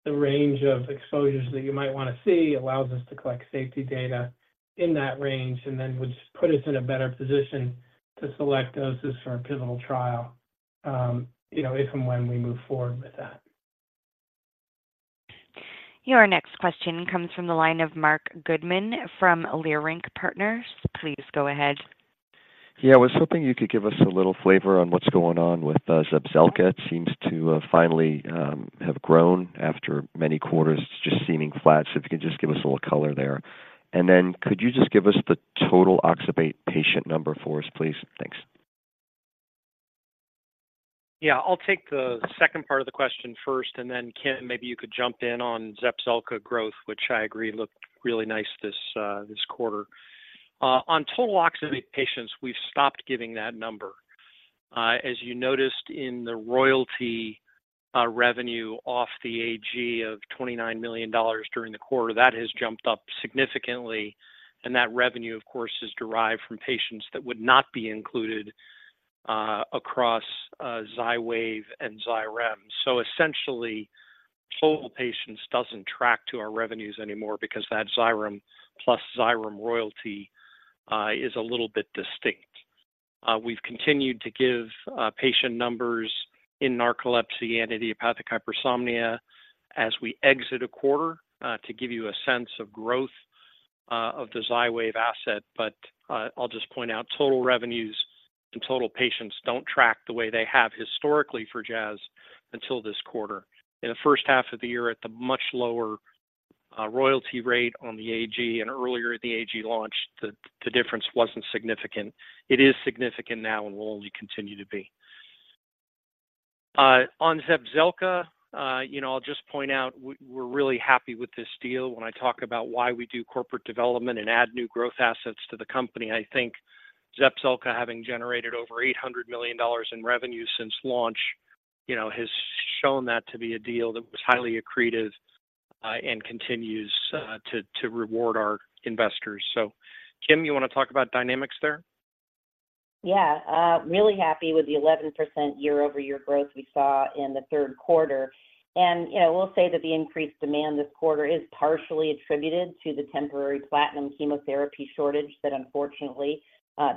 the range of exposures that you might want to see, allows us to collect safety data in that range, and then would put us in a better position to select doses for our pivotal trial, you know, if and when we move forward with that. Your next question comes from the line of Marc Goodman from Leerink Partners. Please go ahead. Yeah. I was hoping you could give us a little flavor on what's going on with Zepzelca. It seems to finally have grown after many quarters just seeming flat. So if you could just give us a little color there. And then could you just give us the total oxybate patient number for us, please? Thanks. Yeah. I'll take the second part of the question first, and then, Kim, maybe you could jump in on Zepzelca growth, which I agree, looked really nice this quarter. On total oxybate patients, we've stopped giving that number. As you noticed in the royalty revenue off the AG of $29 million during the quarter, that has jumped up significantly, and that revenue, of course, is derived from patients that would not be included across XYWAV and Xyrem. So essentially, total patients doesn't track to our revenues anymore because that Xyrem plus Xyrem royalty is a little bit distinct. We've continued to give patient numbers in narcolepsy and idiopathic hypersomnia as we exit a quarter to give you a sense of growth of the XYWAV asset. But, I'll just point out, total revenues and total patients don't track the way they have historically for Jazz until this quarter. In the first half of the year, at the much lower, royalty rate on the AG and earlier at the AG launch, the, the difference wasn't significant. It is significant now and will only continue to be. On Zepzelca, you know, I'll just point out, we're really happy with this deal. When I talk about why we do corporate development and add new growth assets to the company, I think Zepzelca, having generated over $800 million in revenue since launch, you know, has shown that to be a deal that was highly accretive, and continues, to reward our investors. So, Kim, you want to talk about dynamics there? Yeah. Really happy with the 11% year-over-year growth we saw in the third quarter. And, you know, we'll say that the increased demand this quarter is partially attributed to the temporary platinum chemotherapy shortage that, unfortunately,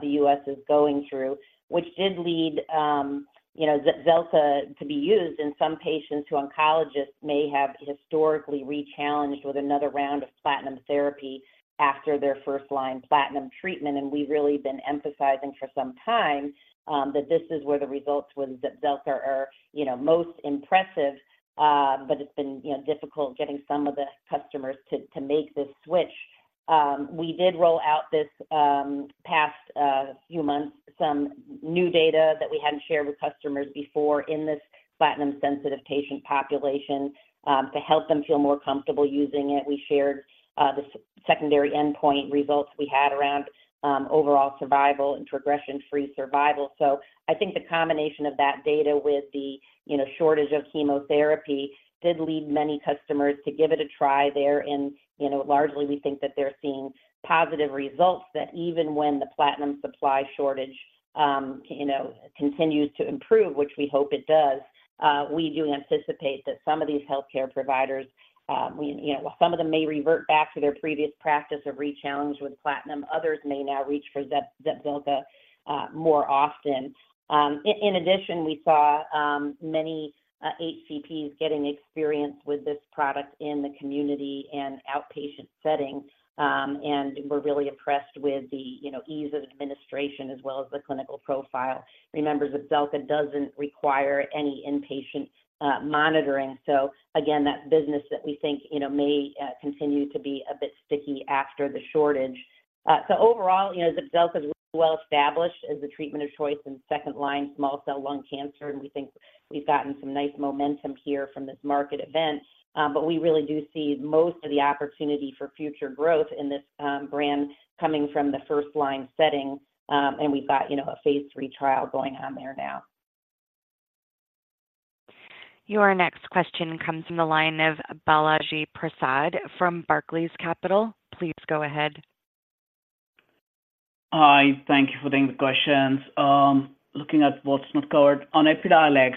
the U.S. is going through, which did lead, you know, Zepzelca to be used in some patients who oncologists may have historically rechallenged with another round of platinum therapy after their first-line platinum treatment. And we've really been emphasizing for some time, that this is where the results with Zepzelca are, you know, most impressive. But it's been, you know, difficult getting some of the customers to make this switch. We did roll out this past few months, some new data that we hadn't shared with customers before in this platinum-sensitive patient population, to help them feel more comfortable using it. We shared the secondary endpoint results we had around overall survival and progression-free survival. So I think the combination of that data with the, you know, shortage of chemotherapy did lead many customers to give it a try there. And, you know, largely, we think that they're seeing positive results, that even when the platinum supply shortage, you know, continues to improve, which we hope it does, we do anticipate that some of these healthcare providers, you know, some of them may revert back to their previous practice of rechallenge with platinum. Others may now reach for Zepzelca more often. In addition, we saw many HCPs getting experience with this product in the community and outpatient setting, and we're really impressed with the, you know, ease of administration as well as the clinical profile. Remember, Zepzelca doesn't require any inpatient monitoring. So again, that business that we think, you know, may continue to be a bit sticky after the shortage. So overall, you know, Zepzelca is well-established as the treatment of choice in second-line small cell lung cancer, and we think we've gotten some nice momentum here from this market event. But we really do see most of the opportunity for future growth in this brand coming from the first-line setting, and we've got, you know, a phase 3 trial going on there now. Your next question comes from the line of Balaji Prasad from Barclays Capital. Please go ahead. Hi, thank you for taking the questions. Looking at what's not covered on Epidiolex,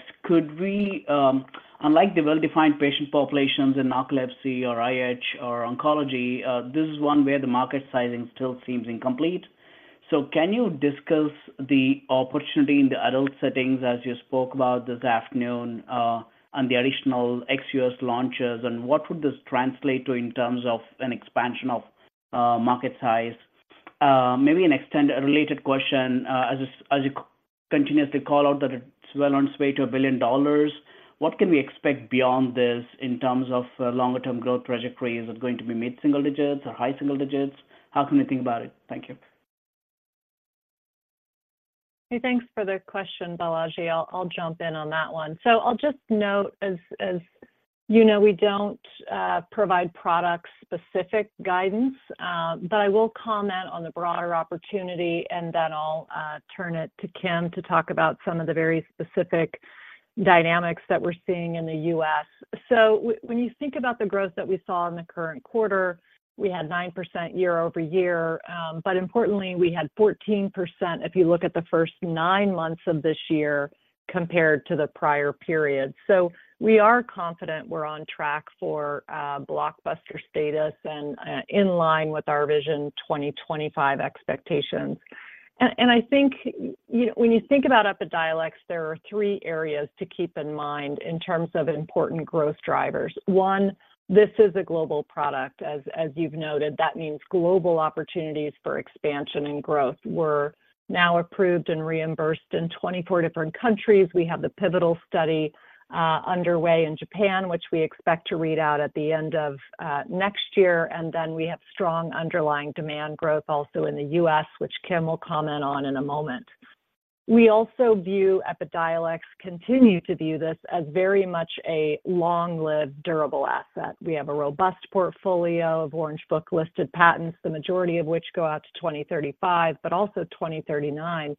unlike the well-defined patient populations in narcolepsy or IH or oncology, this is one where the market sizing still seems incomplete. So can you discuss the opportunity in the adult settings, as you spoke about this afternoon, and the additional ex-U.S. launches, and what would this translate to in terms of an expansion of market size? Maybe an extend, a related question, as you co-... continuously call out that it's well on its way to $1 billion. What can we expect beyond this in terms of longer term growth trajectory? Is it going to be mid-single digits or high single digits? How can we think about it? Thank you. Hey, thanks for the question, Balaji. I'll jump in on that one. So I'll just note, as you know, we don't provide product-specific guidance, but I will comment on the broader opportunity, and then I'll turn it to Kim to talk about some of the very specific dynamics that we're seeing in the U.S. So when you think about the growth that we saw in the current quarter, we had 9% year-over-year. But importantly, we had 14%, if you look at the first nine months of this year, compared to the prior period. So we are confident we're on track for blockbuster status and in line with our vision 2025 expectations. And I think, you know, when you think about Epidiolex, there are three areas to keep in mind in terms of important growth drivers. One, this is a global product. As, as you've noted, that means global opportunities for expansion and growth. We're now approved and reimbursed in 24 different countries. We have the pivotal study underway in Japan, which we expect to read out at the end of next year. And then we have strong underlying demand growth also in the U.S., which Kim will comment on in a moment. We also view Epidiolex, continue to view this as very much a long-lived, durable asset. We have a robust portfolio of Orange Book listed patents, the majority of which go out to 2035, but also 2039. So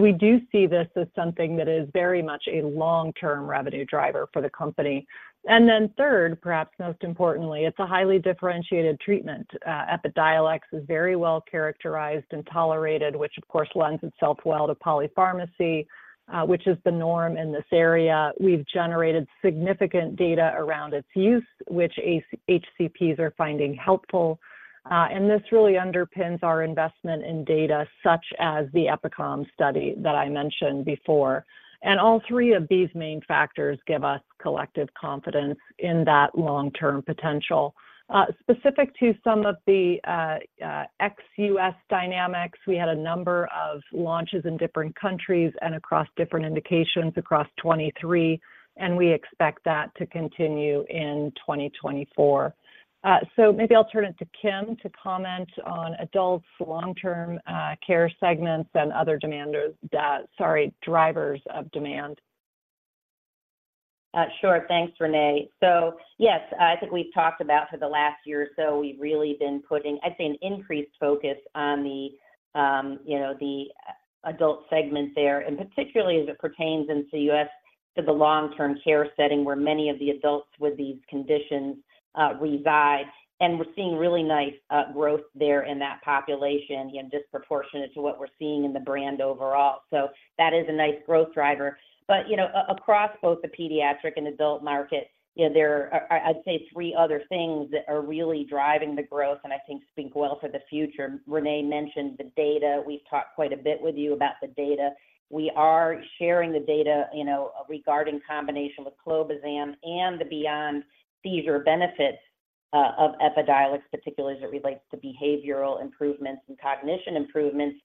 we do see this as something that is very much a long-term revenue driver for the company. And then third, perhaps most importantly, it's a highly differentiated treatment. Epidiolex is very well characterized and tolerated, which of course, lends itself well to polypharmacy, which is the norm in this area. We've generated significant data around its use, which HCPs are finding helpful. And this really underpins our investment in data such as the EPICOM study that I mentioned before. All three of these main factors give us collective confidence in that long-term potential. Specific to some of the ex-US dynamics, we had a number of launches in different countries and across different indications across 2023, and we expect that to continue in 2024. So maybe I'll turn it to Kim to comment on adults' long-term care segments and other demanders... Sorry, drivers of demand. Sure. Thanks, Renee. So yes, I think we've talked about for the last year or so, we've really been putting, I'd say, an increased focus on the, you know, the adult segment there, and particularly as it pertains in the U.S. to the long-term care setting, where many of the adults with these conditions reside. And we're seeing really nice growth there in that population, and disproportionate to what we're seeing in the brand overall. So that is a nice growth driver. But, you know, across both the pediatric and adult market, you know, there are, I, I'd say, three other things that are really driving the growth, and I think speak well for the future. Renee mentioned the data. We've talked quite a bit with you about the data. We are sharing the data, you know, regarding combination with clobazam and the beyond seizure benefits of Epidiolex, particularly as it relates to behavioral improvements and cognition improvements.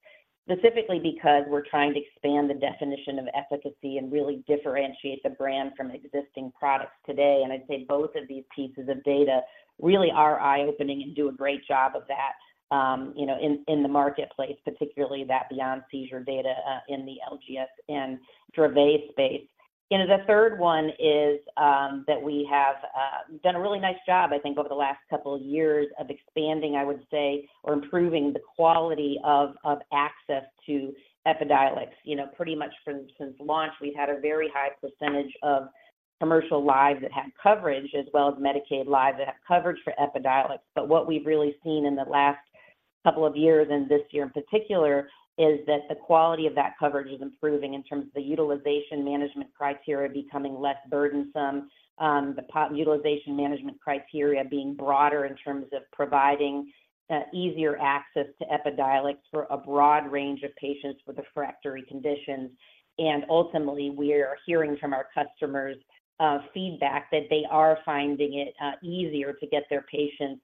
Specifically because we're trying to expand the definition of efficacy and really differentiate the brand from existing products today. And I'd say both of these pieces of data really are eye-opening and do a great job of that, you know, in the marketplace, particularly that beyond seizure data in the LGS and Dravet space. You know, the third one is that we have done a really nice job, I think, over the last couple of years of expanding, I would say, or improving the quality of access to Epidiolex. You know, pretty much from since launch, we've had a very high percentage of commercial lives that had coverage, as well as Medicaid lives that have coverage for Epidiolex. But what we've really seen in the last couple of years, and this year in particular, is that the quality of that coverage is improving in terms of the utilization management criteria becoming less burdensome, the prior utilization management criteria being broader in terms of providing easier access to Epidiolex for a broad range of patients with refractory conditions. And ultimately, we are hearing from our customers feedback that they are finding it easier to get their patients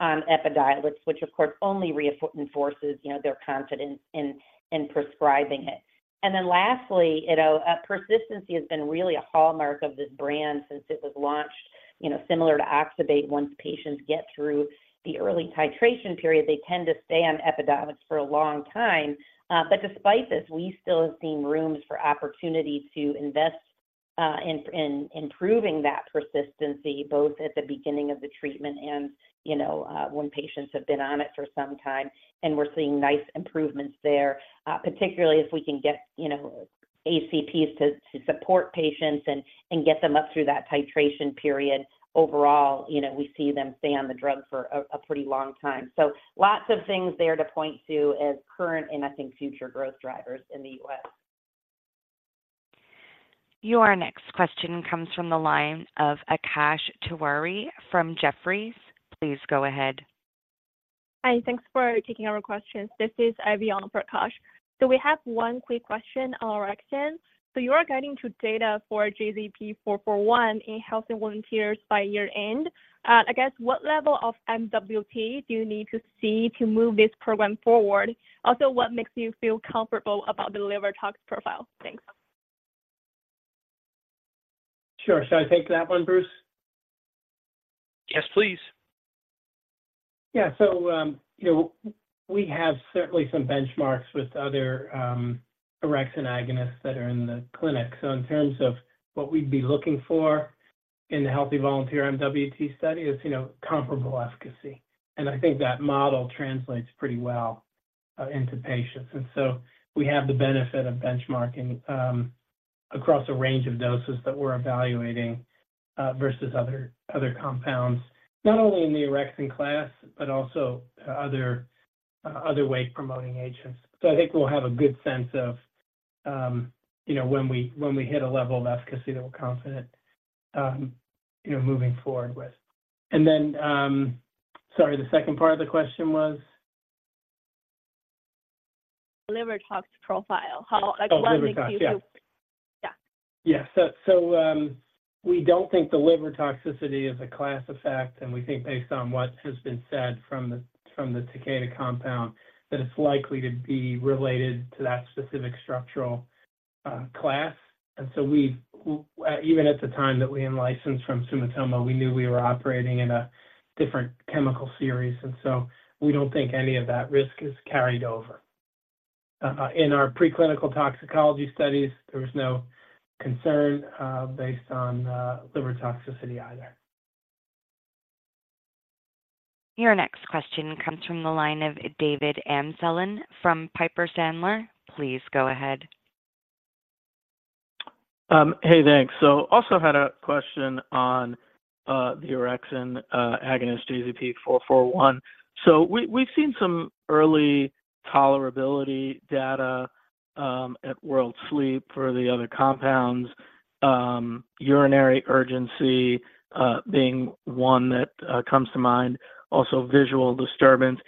on Epidiolex, which of course only reinforces, you know, their confidence in prescribing it. And then lastly, you know, persistency has been really a hallmark of this brand since it was launched. You know, similar to oxybate, once patients get through the early titration period, they tend to stay on Epidiolex for a long time. But despite this, we still have seen room for opportunity to invest in improving that persistency, both at the beginning of the treatment and, you know, when patients have been on it for some time, and we're seeing nice improvements there. Particularly if we can get, you know, ACPs to support patients and get them up through that titration period. Overall, you know, we see them stay on the drug for a pretty long time. So lots of things there to point to as current and I think, future growth drivers in the U.S. Your next question comes from the line of Akash Tewari from Jefferies. Please go ahead. Hi, thanks for taking our questions. This is Ivana Bhardwaj. We have one quick question on orexin.... So you are guiding to data for JZP-441 in healthy volunteers by year-end. I guess, what level of MWT do you need to see to move this program forward? Also, what makes you feel comfortable about the liver tox profile? Thanks. Sure. Should I take that one, Bruce? Yes, please. Yeah, so, you know, we have certainly some benchmarks with other, orexin agonists that are in the clinic. So in terms of what we'd be looking for in the healthy volunteer MWT study is, you know, comparable efficacy. And I think that model translates pretty well, into patients. And so we have the benefit of benchmarking, across a range of doses that we're evaluating, versus other compounds, not only in the orexin class, but also other wake-promoting agents. So I think we'll have a good sense of, you know, when we, when we hit a level of efficacy that we're confident, you know, moving forward with. And then, sorry, the second part of the question was? Liver tox profile. How, like, what makes you- Oh, liver tox. Yeah. Yeah. Yeah. So, we don't think the liver toxicity is a class effect, and we think based on what has been said from the Takeda compound that it's likely to be related to that specific structural class. And so we even at the time that we in-licensed from Sumitomo knew we were operating in a different chemical series, and so we don't think any of that risk is carried over. In our preclinical toxicology studies, there was no concern based on liver toxicity either. Your next question comes from the line of David Amsellem from Piper Sandler. Please go ahead. Hey, thanks. So also had a question on the orexin agonist JZP441. So we, we've seen some early tolerability data at World Sleep for the other compounds, urinary urgency being one that comes to mind, also visual disturbance.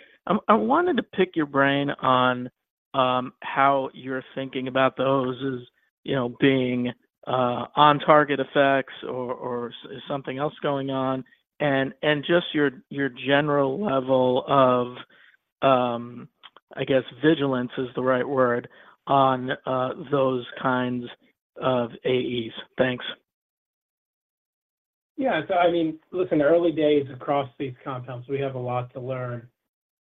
I wanted to pick your brain on how you're thinking about those as, you know, being on-target effects or is something else going on? And just your general level of, I guess vigilance is the right word on those kinds of AEs. Thanks. Yeah. So I mean, look, in the early days across these compounds, we have a lot to learn.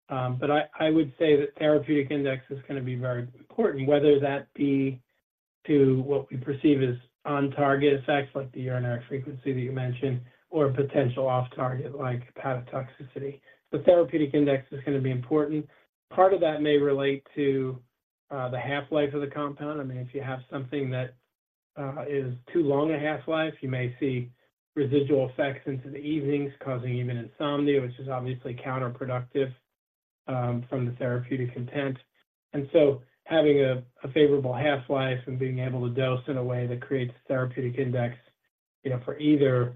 But I would say that therapeutic index is going to be very important, whether that be to what we perceive as on-target effects, like the urinary frequency that you mentioned, or potential off-target, like hepatotoxicity. The therapeutic index is going to be important. Part of that may relate to the half-life of the compound. I mean, if you have something that is too long a half-life, you may see residual effects into the evenings, causing even insomnia, which is obviously counterproductive from the therapeutic intent. And so having a favorable half-life and being able to dose in a way that creates a therapeutic index, you know, for either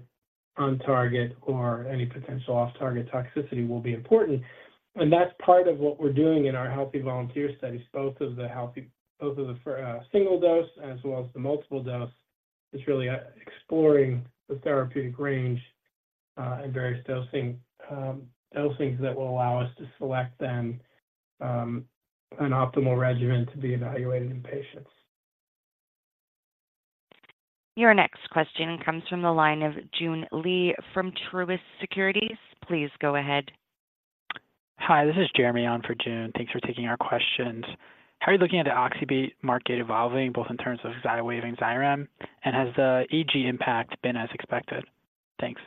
on-target or any potential off-target toxicity will be important. That's part of what we're doing in our healthy volunteer studies, both the single dose as well as the multiple dose, is really exploring the therapeutic range and various dosing, dosings that will allow us to select then an optimal regimen to be evaluated in patients. Your next question comes from the line of Joon Lee from Truist Securities. Please go ahead. Hi, this is Jeremy on for Joon. Thanks for taking our questions. How are you looking at the oxybate market evolving, both in terms of XYWAV and Xyrem, and has the EG impact been as expected? Thanks.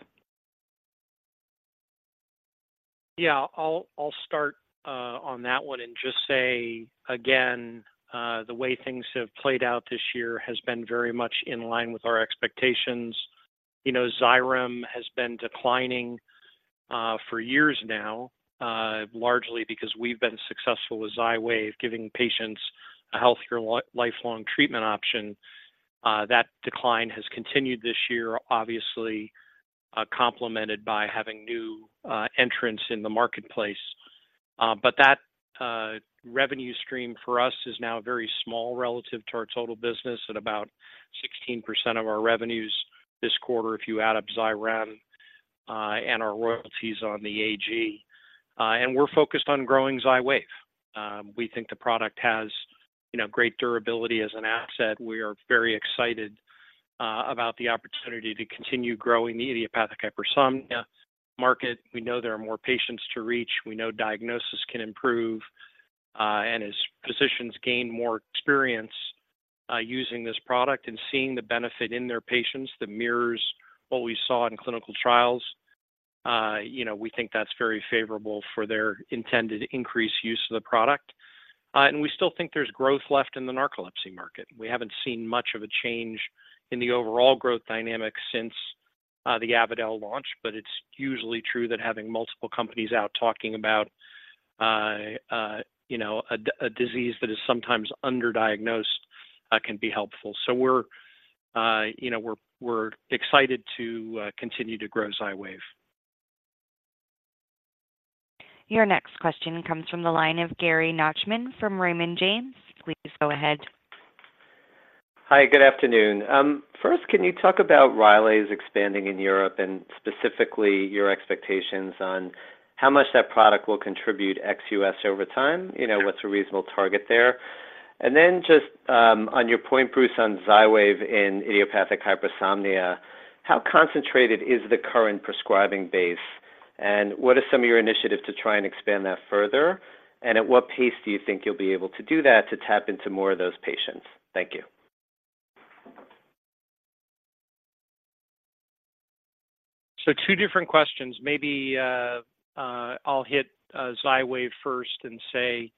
Yeah, I'll start on that one and just say, again, the way things have played out this year has been very much in line with our expectations. You know, Xyrem has been declining for years now, largely because we've been successful with XYWAV, giving patients a healthier, lifelong treatment option. That decline has continued this year, obviously, complemented by having new entrants in the marketplace. But that revenue stream for us is now very small relative to our total business at about 16% of our revenues this quarter, if you add up Xyrem and our royalties on the AG. And we're focused on growing XYWAV. We think the product has, you know, great durability as an asset. We are very excited about the opportunity to continue growing the idiopathic hypersomnia market. We know there are more patients to reach. We know diagnosis can improve, and as physicians gain more experience using this product and seeing the benefit in their patients, that mirrors what we saw in clinical trials, you know, we think that's very favorable for their intended increased use of the product. And we still think there's growth left in the narcolepsy market. We haven't seen much of a change in the overall growth dynamic since the Avadel launch, but it's usually true that having multiple companies out talking about, you know, a disease that is sometimes underdiagnosed, can be helpful. So we're, you know, excited to continue to grow XYWAV. ...Your next question comes from the line of Gary Nachman from Raymond James. Please go ahead. Hi, good afternoon. First, can you talk about Rylaze's expanding in Europe and specifically your expectations on how much that product will contribute ex US over time? You know, what's a reasonable target there? And then just, on your point, Bruce, on XYWAV in idiopathic hypersomnia, how concentrated is the current prescribing base, and what are some of your initiatives to try and expand that further? And at what pace do you think you'll be able to do that to tap into more of those patients? Thank you. So two different questions. Maybe I'll hit XYWAV first and say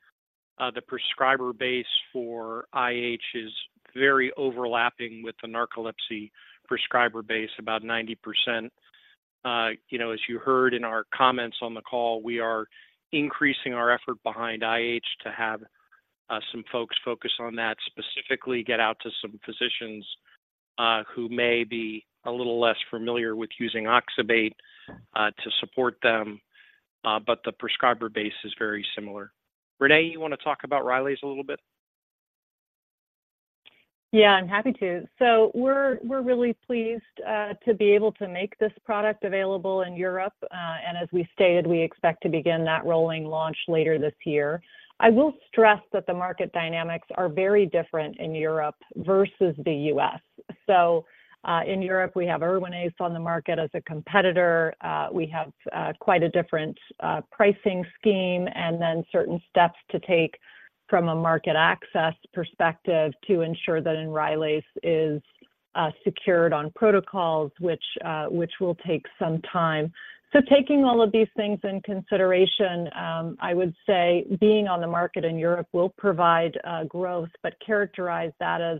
the prescriber base for IH is very overlapping with the narcolepsy prescriber base, about 90%. You know, as you heard in our comments on the call, we are increasing our effort behind IH to have some folks focus on that, specifically get out to some physicians who may be a little less familiar with using oxybate to support them. But the prescriber base is very similar. Renee, you want to talk about Rylaze a little bit? Yeah, I'm happy to. So we're really pleased to be able to make this product available in Europe. And as we stated, we expect to begin that rolling launch later this year. I will stress that the market dynamics are very different in Europe versus the U.S. So in Europe, we have Erwinaze on the market as a competitor. We have quite a different pricing scheme and then certain steps to take from a market access perspective to ensure that Enrylaze is secured on protocols, which will take some time. So taking all of these things in consideration, I would say being on the market in Europe will provide growth, but characterize that as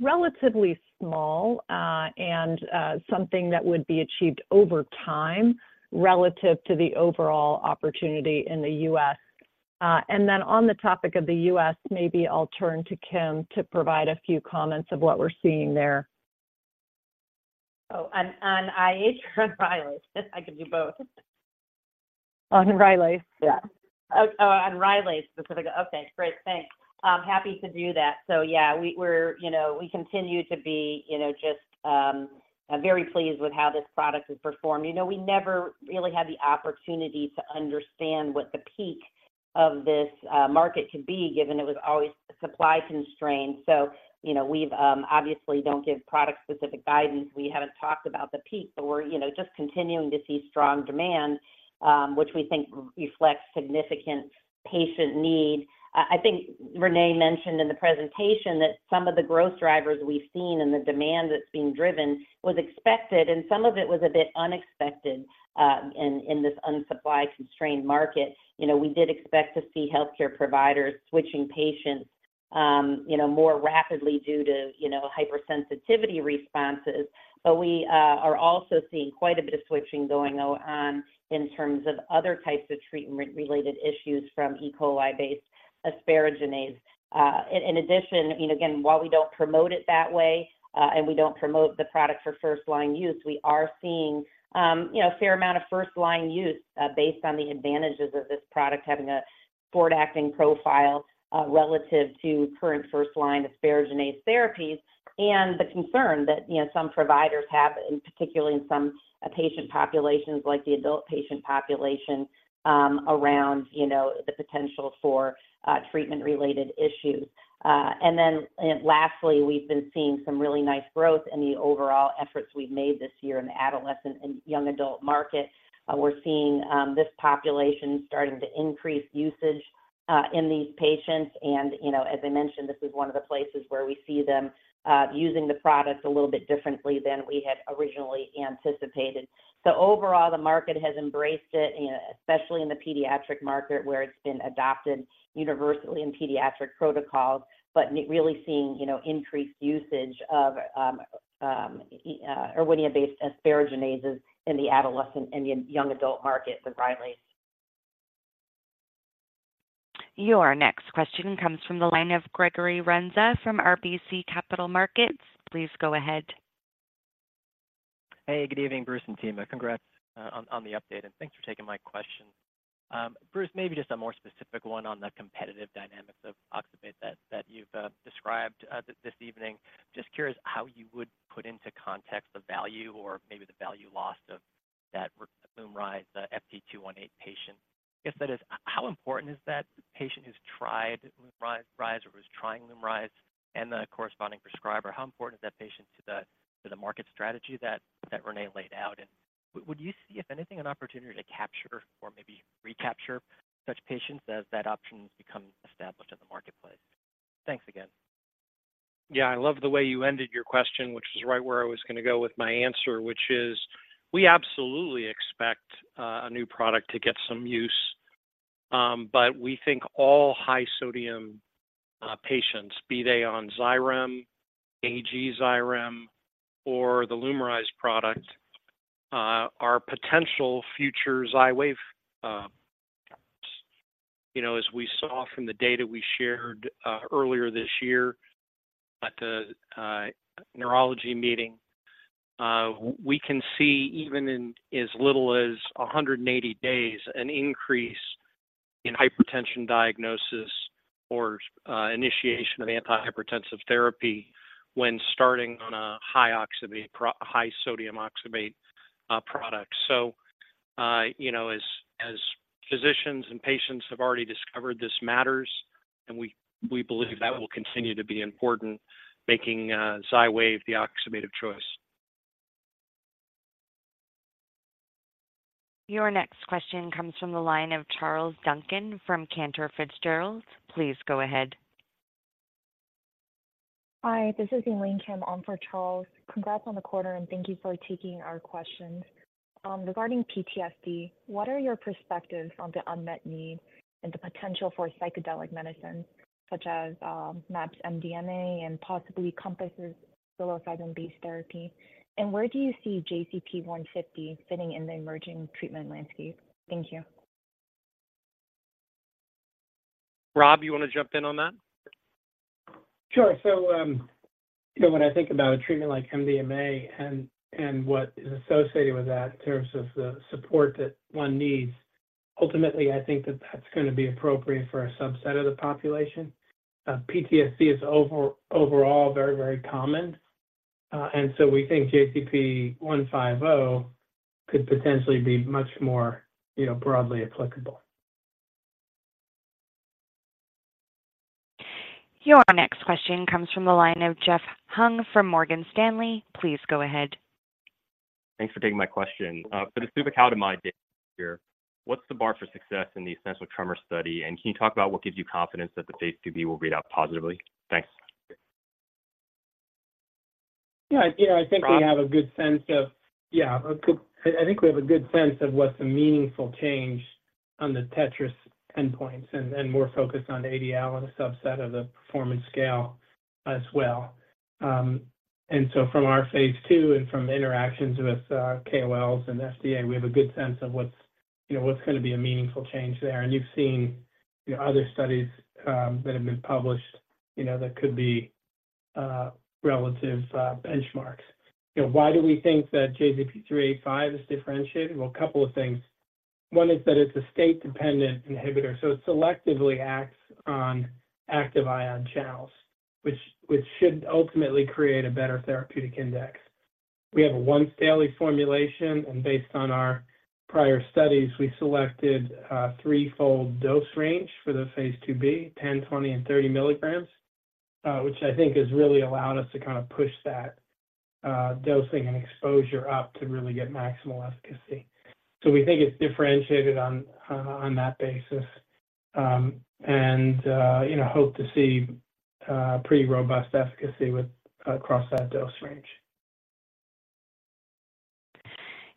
relatively small, and something that would be achieved over time relative to the overall opportunity in the U.S. On the topic of the U.S., maybe I'll turn to Kim to provide a few comments of what we're seeing there. Oh, on IH or on Rylaze? I can do both. On Rylaze.Yeah. Oh, oh, on Rylaze specifically. Okay, great. Thanks. I'm happy to do that. So, yeah, we're—you know, we continue to be, you know, just very pleased with how this product has performed. You know, we never really had the opportunity to understand what the peak of this market could be, given it was always supply constrained. So, you know, we've obviously don't give product-specific guidance. We haven't talked about the peak, but we're, you know, just continuing to see strong demand, which we think reflects significant patient need. I think Renee mentioned in the presentation that some of the growth drivers we've seen and the demand that's being driven was expected, and some of it was a bit unexpected, in this un-supply-constrained market. You know, we did expect to see healthcare providers switching patients, you know, more rapidly due to, you know, hypersensitivity responses. But we are also seeing quite a bit of switching going on in terms of other types of treatment-related issues from E. coli-based asparaginase. In addition, you know, again, while we don't promote it that way, and we don't promote the product for first-line use, we are seeing, you know, a fair amount of first-line use, based on the advantages of this product having a forward-acting profile, relative to current first-line asparaginase therapies. And the concern that, you know, some providers have, and particularly in some patient populations, like the adult patient population, around, you know, the potential for treatment-related issues. And then, and lastly, we've been seeing some really nice growth in the overall efforts we've made this year in the adolescent and young adult market. We're seeing this population starting to increase usage in these patients. And, you know, as I mentioned, this is one of the places where we see them using the product a little bit differently than we had originally anticipated. So overall, the market has embraced it, and especially in the pediatric market, where it's been adopted universally in pediatric protocols, but really seeing, you know, increased usage of Erwinia-based asparaginases in the adolescent and young adult market with Rylaze. Your next question comes from the line of Gregory Renza from RBC Capital Markets. Please go ahead. Hey, good evening, Bruce and team. Congrats on the update, and thanks for taking my question. Bruce, maybe just a more specific one on the competitive dynamics of oxybate that you've described this evening. Just curious how you would put into context the value or maybe the value lost of that Lumryz FT-218 patient. I guess that is, how important is that patient who's tried Lumryz or who's trying Lumryz and the corresponding prescriber? How important is that patient to the market strategy that Renee laid out? And would you see, if anything, an opportunity to capture or maybe recapture such patients as that option becomes established in the marketplace? Thanks again. Yeah, I love the way you ended your question, which is right where I was gonna go with my answer, which is: we absolutely expect a new product to get some use, but we think all high sodium patients, be they on Xyrem, AG Xyrem, or the Lumryz product, are potential future XYWAV patients. You know, as we saw from the data we shared earlier this year at the neurology meeting, we can see even in as little as 180 days, an increase in hypertension diagnosis or initiation of antihypertensive therapy when starting on a high sodium oxybate product. So, you know, as physicians and patients have already discovered, this matters, and we believe that will continue to be important, making XYWAV the oxybate of choice. Your next question comes from the line of Charles Duncan from Cantor Fitzgerald. Please go ahead. Hi, this is Elaine Kim on for Charles. Congrats on the quarter, and thank you for taking our questions. Regarding PTSD, what are your perspectives on the unmet need and the potential for psychedelic medicine, such as, MAPS MDMA and possibly Compass's psilocybin-based therapy? And where do you see JZP-150 fitting in the emerging treatment landscape? Thank you. Rob, you want to jump in on that? Sure. So, you know, when I think about a treatment like MDMA and what is associated with that in terms of the support that one needs, ultimately, I think that that's going to be appropriate for a subset of the population. PTSD is overall very, very common. And so we think JZP-150 could potentially be much more, you know, broadly applicable. Your next question comes from the line of Jeff Hung from Morgan Stanley. Please go ahead. Thanks for taking my question. For the suvecaltamide data here, what's the bar for success in the essential tremor study? And can you talk about what gives you confidence that the phase IIb will read out positively? Thanks. Yeah, you know, I think- Rob? We have a good sense of what's a meaningful change on the TETRAS endpoints and more focused on ADL and a subset of the performance scale as well. And so from our phase II and from interactions with KOLs and FDA, we have a good sense of what's, you know, what's going to be a meaningful change there. And you've seen, you know, other studies that have been published, you know, that could be relative benchmarks. You know, why do we think that JZP-385 is differentiated? Well, a couple of things. One is that it's a state-dependent inhibitor, so it selectively acts on active ion channels, which should ultimately create a better therapeutic index. We have a once-daily formulation, and based on our prior studies, we selected a threefold dose range for the phase IIb, 10, 20, and 30 milligrams, which I think has really allowed us to kind of push that dosing and exposure up to really get maximal efficacy. So we think it's differentiated on that basis. And you know, hope to see pretty robust efficacy with across that dose range.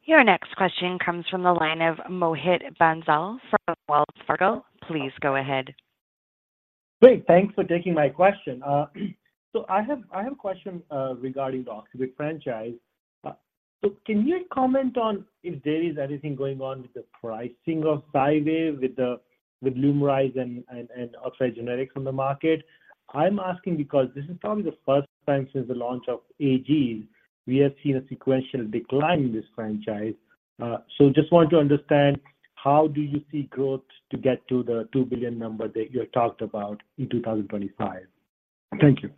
Your next question comes from the line of Mohit Bansal from Wells Fargo. Please go ahead. Great. Thanks for taking my question. So I have, I have a question regarding the oxybate franchise. So can you comment on if there is anything going on with the pricing of XYWAV with Lumryz and oxy generics on the market? I'm asking because this is probably the first time since the launch of AGs we have seen a sequential decline in this franchise. So just want to understand, how do you see growth to get to the $2 billion number that you had talked about in 2025? Thank you.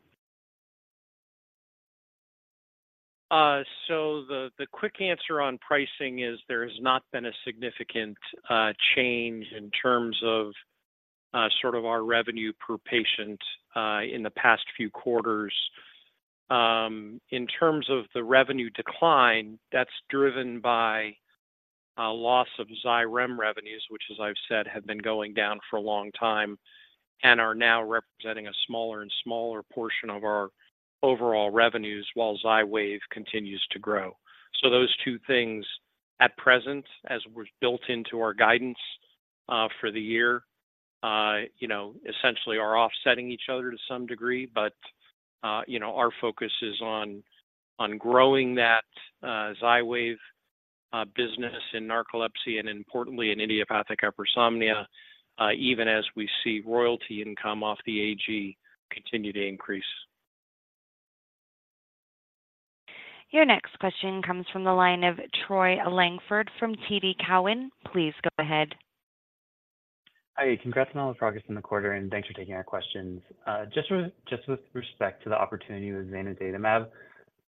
So the quick answer on pricing is there has not been a significant change in terms of sort of our revenue per patient in the past few quarters. In terms of the revenue decline, that's driven by a loss of Xyrem revenues, which, as I've said, have been going down for a long time and are now representing a smaller and smaller portion of our overall revenues, while XYWAV continues to grow. So those two things, at present, as was built into our guidance for the year, you know, essentially are offsetting each other to some degree. But you know, our focus is on growing that XYWAV business in narcolepsy and importantly, in idiopathic hypersomnia, even as we see royalty income off the AG continue to increase. Your next question comes from the line of Troy Langford from TD Cowen. Please go ahead. Hi, congrats on all the progress in the quarter, and thanks for taking our questions. Just with respect to the opportunity with zanidatamab,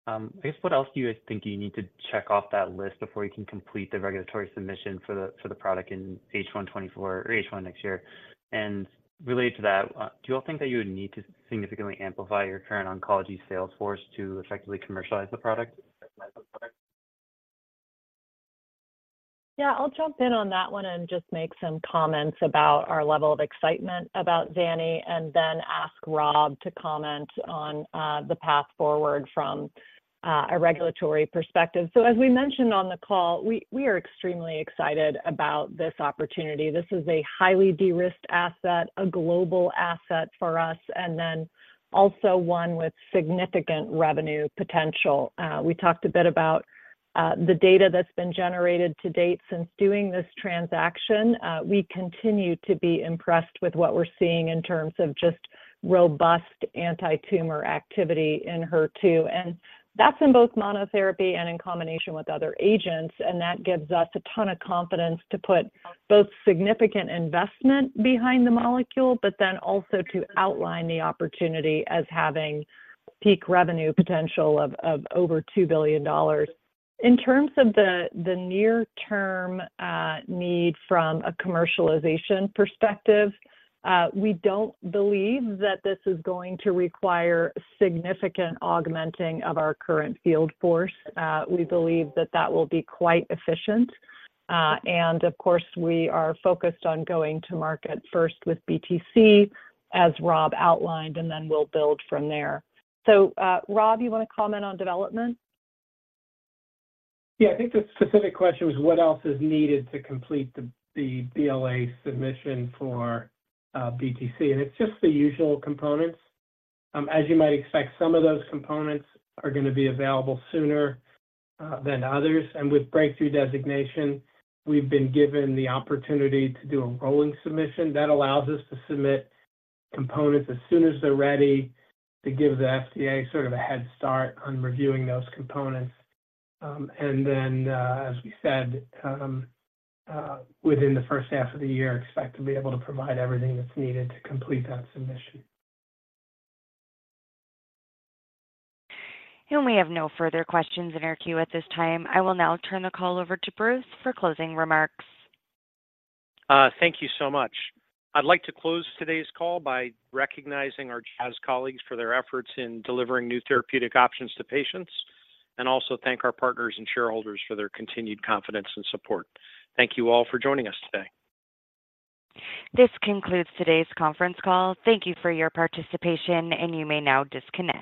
I guess, what else do you guys think you need to check off that list before you can complete the regulatory submission for the product in H1 2024 or H1 next year? And related to that, do you all think that you would need to significantly amplify your current oncology sales force to effectively commercialize the product?... Yeah, I'll jump in on that one and just make some comments about our level of excitement about Zani, and then ask Rob to comment on the path forward from a regulatory perspective. So as we mentioned on the call, we, we are extremely excited about this opportunity. This is a highly de-risked asset, a global asset for us, and then also one with significant revenue potential. We talked a bit about the data that's been generated to date since doing this transaction. We continue to be impressed with what we're seeing in terms of just robust anti-tumor activity in HER2, and that's in both monotherapy and in combination with other agents. And that gives us a ton of confidence to put both significant investment behind the molecule, but then also to outline the opportunity as having peak revenue potential of over $2 billion. In terms of the near-term need from a commercialization perspective, we don't believe that this is going to require significant augmenting of our current field force. We believe that that will be quite efficient. And of course, we are focused on going to market first with BTC, as Rob outlined, and then we'll build from there. So, Rob, you wanna comment on development? Yeah. I think the specific question was what else is needed to complete the BLA submission for BTC? And it's just the usual components. As you might expect, some of those components are gonna be available sooner than others. And with breakthrough designation, we've been given the opportunity to do a rolling submission that allows us to submit components as soon as they're ready, to give the FDA sort of a head start on reviewing those components. And then, as we said, within the first half of the year, expect to be able to provide everything that's needed to complete that submission. We have no further questions in our queue at this time. I will now turn the call over to Bruce for closing remarks. Thank you so much. I'd like to close today's call by recognizing our Jazz colleagues for their efforts in delivering new therapeutic options to patients, and also thank our partners and shareholders for their continued confidence and support. Thank you all for joining us today. This concludes today's conference call. Thank you for your participation, and you may now disconnect.